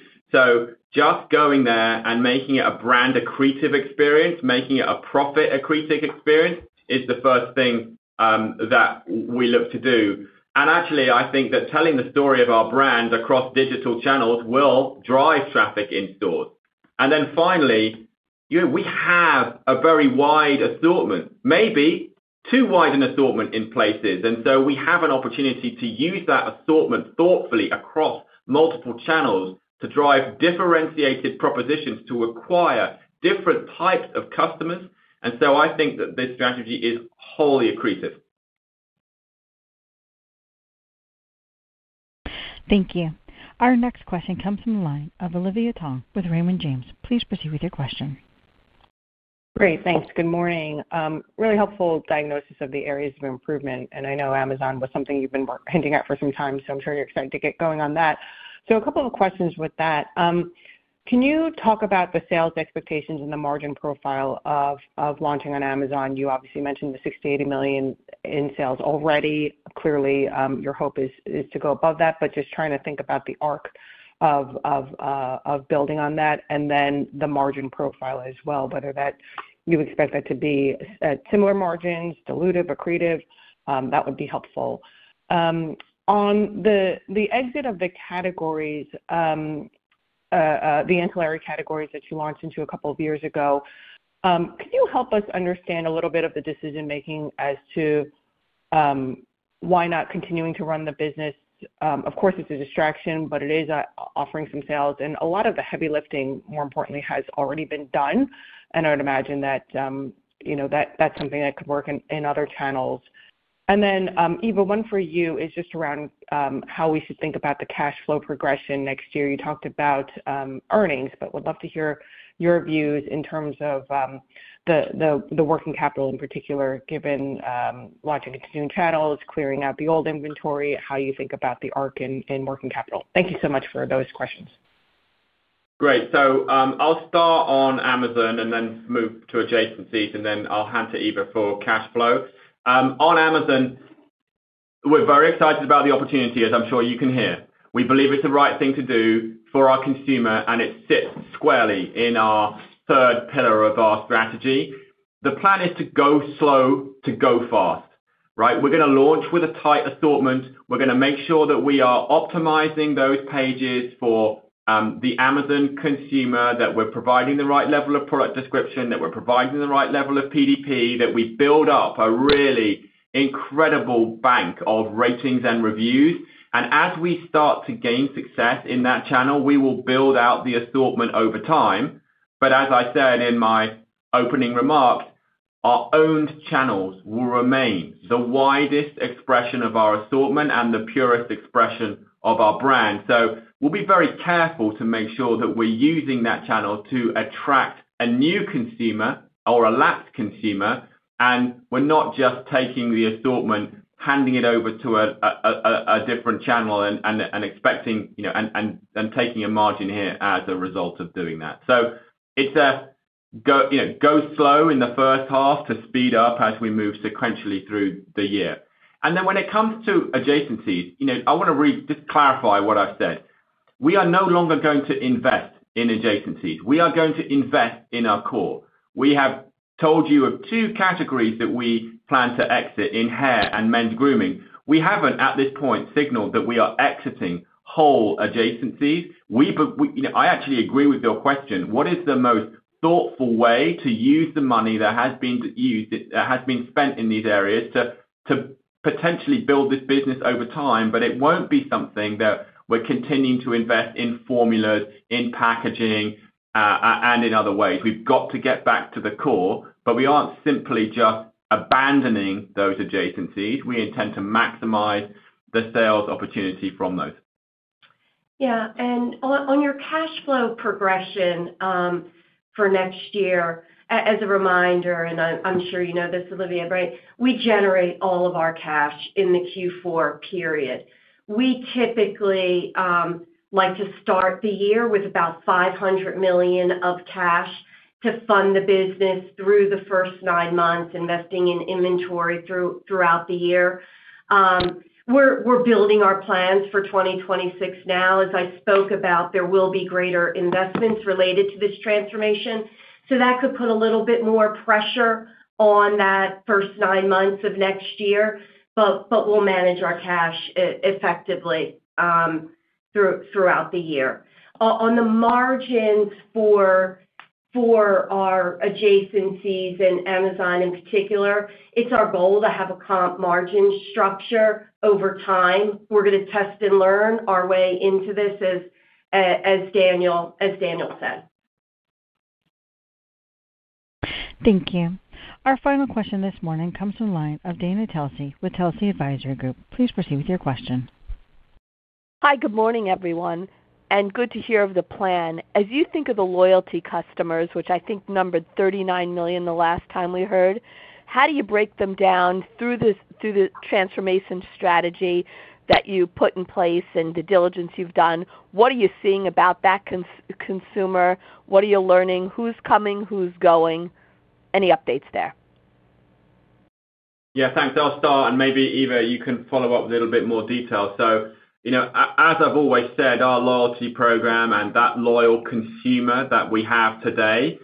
Just going there and making it a brand accretive experience, making it a profit-accretive experience, is the first thing that we look to do. Actually, I think that telling the story of our brand across digital channels will drive traffic in stores. And then finally, we have a very wide assortment, maybe too wide an assortment in places. We have an opportunity to use that assortment thoughtfully across multiple channels to drive differentiated propositions to acquire different types of customers. I think that this strategy is wholly accretive. Thank you. Our next question comes from the line of Olivia Tong with Raymond James. Please proceed with your question. Great. Thanks. Good morning. Really helpful diagnosis of the areas of improvement. I know Amazon was something you've been hinting at for some time, so I'm sure you're excited to get going on that. A couple of questions with that. Can you talk about the sales expectations and the margin profile of launching on Amazon? You obviously mentioned the $60 million-$80 million in sales already. Clearly, your hope is to go above that, but just trying to think about the arc of building on that and then the margin profile as well, whether you expect that to be similar margins, dilutive, accretive. That would be helpful. On the exit of the categories, the ancillary categories that you launched into a couple of years ago, could you help us understand a little bit of the decision-making as to why not continuing to run the business? Of course, it is a distraction, but it is offering some sales. And a lot of the heavy lifting, more importantly, has already been done. I would imagine that that is something that could work in other channels. Eva, one for you is just around how we should think about the cash flow progression next year. You talked about earnings, but would love to hear your views in terms of the working capital in particular, given launching continuing channels, clearing out the old inventory, how you think about the arc in working capital. Thank you so much for those questions. Great. I'll start on Amazon and then move to adjacencies, and then I'll hand to Eva for cash flow. On Amazon, we're very excited about the opportunity, as I'm sure you can hear. We believe it's the right thing to do for our consumer, and it sits squarely in our third pillar of our strategy. The plan is to go slow to go fast, right? We're going to launch with a tight assortment. We're going to make sure that we are optimizing those pages for the Amazon consumer, that we're providing the right level of product description, that we're providing the right level of PDP, that we build up a really incredible bank of ratings and reviews. As we start to gain success in that channel, we will build out the assortment over time. As I said in my opening remarks, our own channels will remain the widest expression of our assortment and the purest expression of our brand. We will be very careful to make sure that we're using that channel to attract a new consumer or a lapsed consumer, and we're not just taking the assortment, handing it over to a different channel, and expecting and taking a margin here as a result of doing that. It is a go slow in the first half to speed up as we move sequentially through the year. When it comes to adjacencies, I want to just clarify what I've said. We are no longer going to invest in adjacencies. We are going to invest in our core. We have told you of two categories that we plan to exit in hair and men's grooming. We haven't, at this point, signaled that we are exiting whole adjacencies. I actually agree with your question. What is the most thoughtful way to use the money that has been spent in these areas to potentially build this business over time? It won't be something that we're continuing to invest in formulas, in packaging, and in other ways. We've got to get back to the core, but we aren't simply just abandoning those adjacencies. We intend to maximize the sales opportunity from those. Yeah. On your cash flow progression for next year, as a reminder, and I'm sure you know this, Olivia, right? We generate all of our cash in the Q4 period. We typically like to start the year with about $500 million of cash to fund the business through the first nine months, investing in inventory throughout the year. We're building our plans for 2026 now. As I spoke about, there will be greater investments related to this transformation. That could put a little bit more pressure on that first nine months of next year, but we'll manage our cash effectively throughout the year. On the margins for our adjacencies and Amazon in particular, it's our goal to have a comp margin structure over time. We're going to test and learn our way into this, as Daniel said. Thank you. Our final question this morning comes from the line of Dana Telsey with Telsey Advisory Group. Please proceed with your question. Hi. Good morning, everyone. And good to hear of the plan. As you think of the loyalty customers, which I think numbered 39 million the last time we heard, how do you break them down through the transformation strategy that you put in place and the diligence you've done? What are you seeing about that consumer? What are you learning? Who's coming? Who's going? Any updates there? Yeah. Thanks. I'll start. And maybe, Eva, you can follow up with a little bit more detail. As I've always said, our loyalty program and that loyal consumer that we have today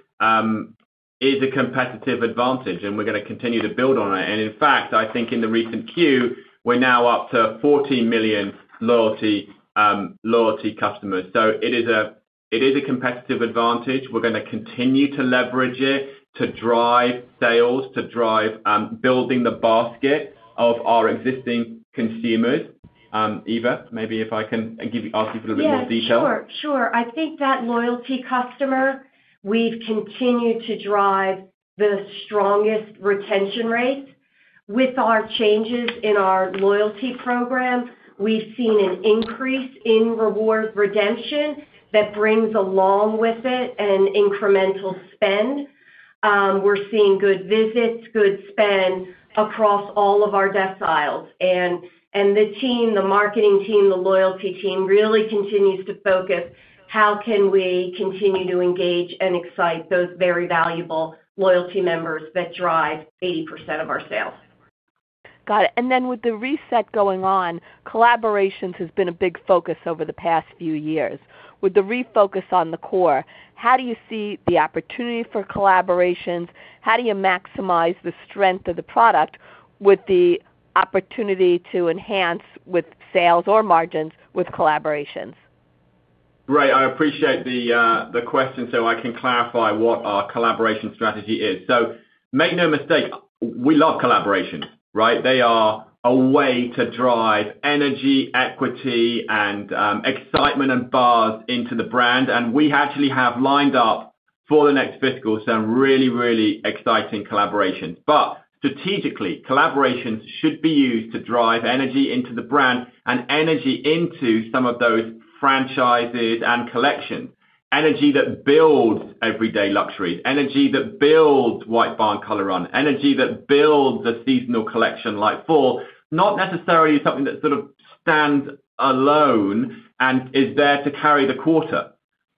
is a competitive advantage, and we're going to continue to build on it. In fact, I think in the recent queue, we're now up to 14 million loyalty customers. It is a competitive advantage. We're going to continue to leverage it to drive sales, to drive building the basket of our existing consumers. Eva, maybe if I can ask you for a little bit more detail. Yeah. Sure. Sure. I think that loyalty customer, we've continued to drive the strongest retention rate. With our changes in our loyalty program, we've seen an increase in reward redemption that brings along with it an incremental spend. We're seeing good visits, good spend across all of our deciles. The team, the marketing team, the loyalty team really continues to focus on how can we continue to engage and excite those very valuable loyalty members that drive 80% of our sales. Got it. With the reset going on, collaborations has been a big focus over the past few years. With the refocus on the core, how do you see the opportunity for collaborations? How do you maximize the strength of the product with the opportunity to enhance with sales or margins with collaborations? Right. I appreciate the question so I can clarify what our collaboration strategy is. Make no mistake, we love collaborations, right? They are a way to drive energy, equity, and excitement and buzz into the brand. We actually have lined up for the next fiscal some really, really exciting collaborations. Strategically, collaborations should be used to drive energy into the brand and energy into some of those franchises and collections. Energy that builds everyday luxuries. Energy that builds White Barn color on. Energy that builds a seasonal collection like for not necessarily something that sort of stands alone and is there to carry the quarter.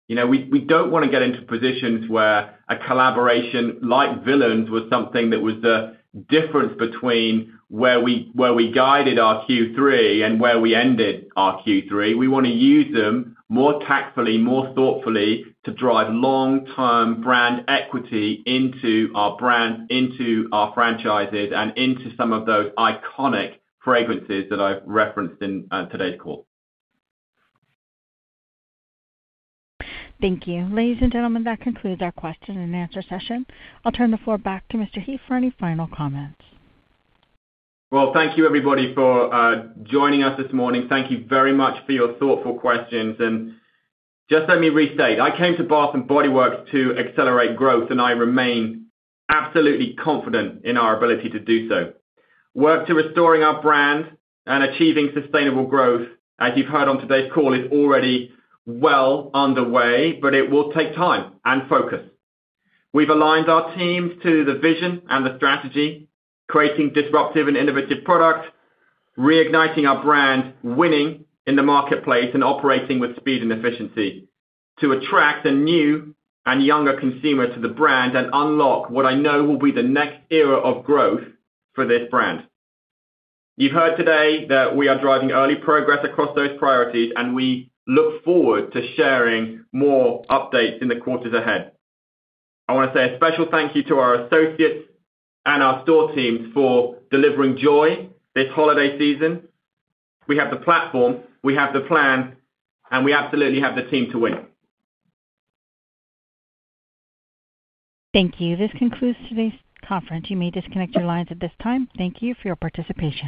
We do not want to get into positions where a collaboration like Villains was something that was the difference between where we guided our Q3 and where we ended our Q3. We want to use them more tactfully, more thoughtfully to drive long-term brand equity into our brands, into our franchises, and into some of those iconic fragrances that I have referenced in today's call. Thank you. Ladies and gentlemen, that concludes our question and answer session. I will turn the floor back to Mr. Heaf for any final comments. Thank you, everybody, for joining us this morning. Thank you very much for your thoughtful questions. Just let me restate. I came to Bath & Body Works to accelerate growth, and I remain absolutely confident in our ability to do so. Work to restoring our brand and achieving sustainable growth, as you've heard on today's call, is already well underway, but it will take time and focus. We've aligned our teams to the vision and the strategy, creating disruptive and innovative products, reigniting our brand, winning in the marketplace, and operating with speed and efficiency to attract a new and younger consumer to the brand and unlock what I know will be the next era of growth for this brand. You've heard today that we are driving early progress across those priorities, and we look forward to sharing more updates in the quarters ahead. I want to say a special thank you to our associates and our store teams for delivering joy this holiday season. We have the platform. We have the plan. We absolutely have the team to win. Thank you. This concludes today's conference. You may disconnect your lines at this time. Thank you for your participation.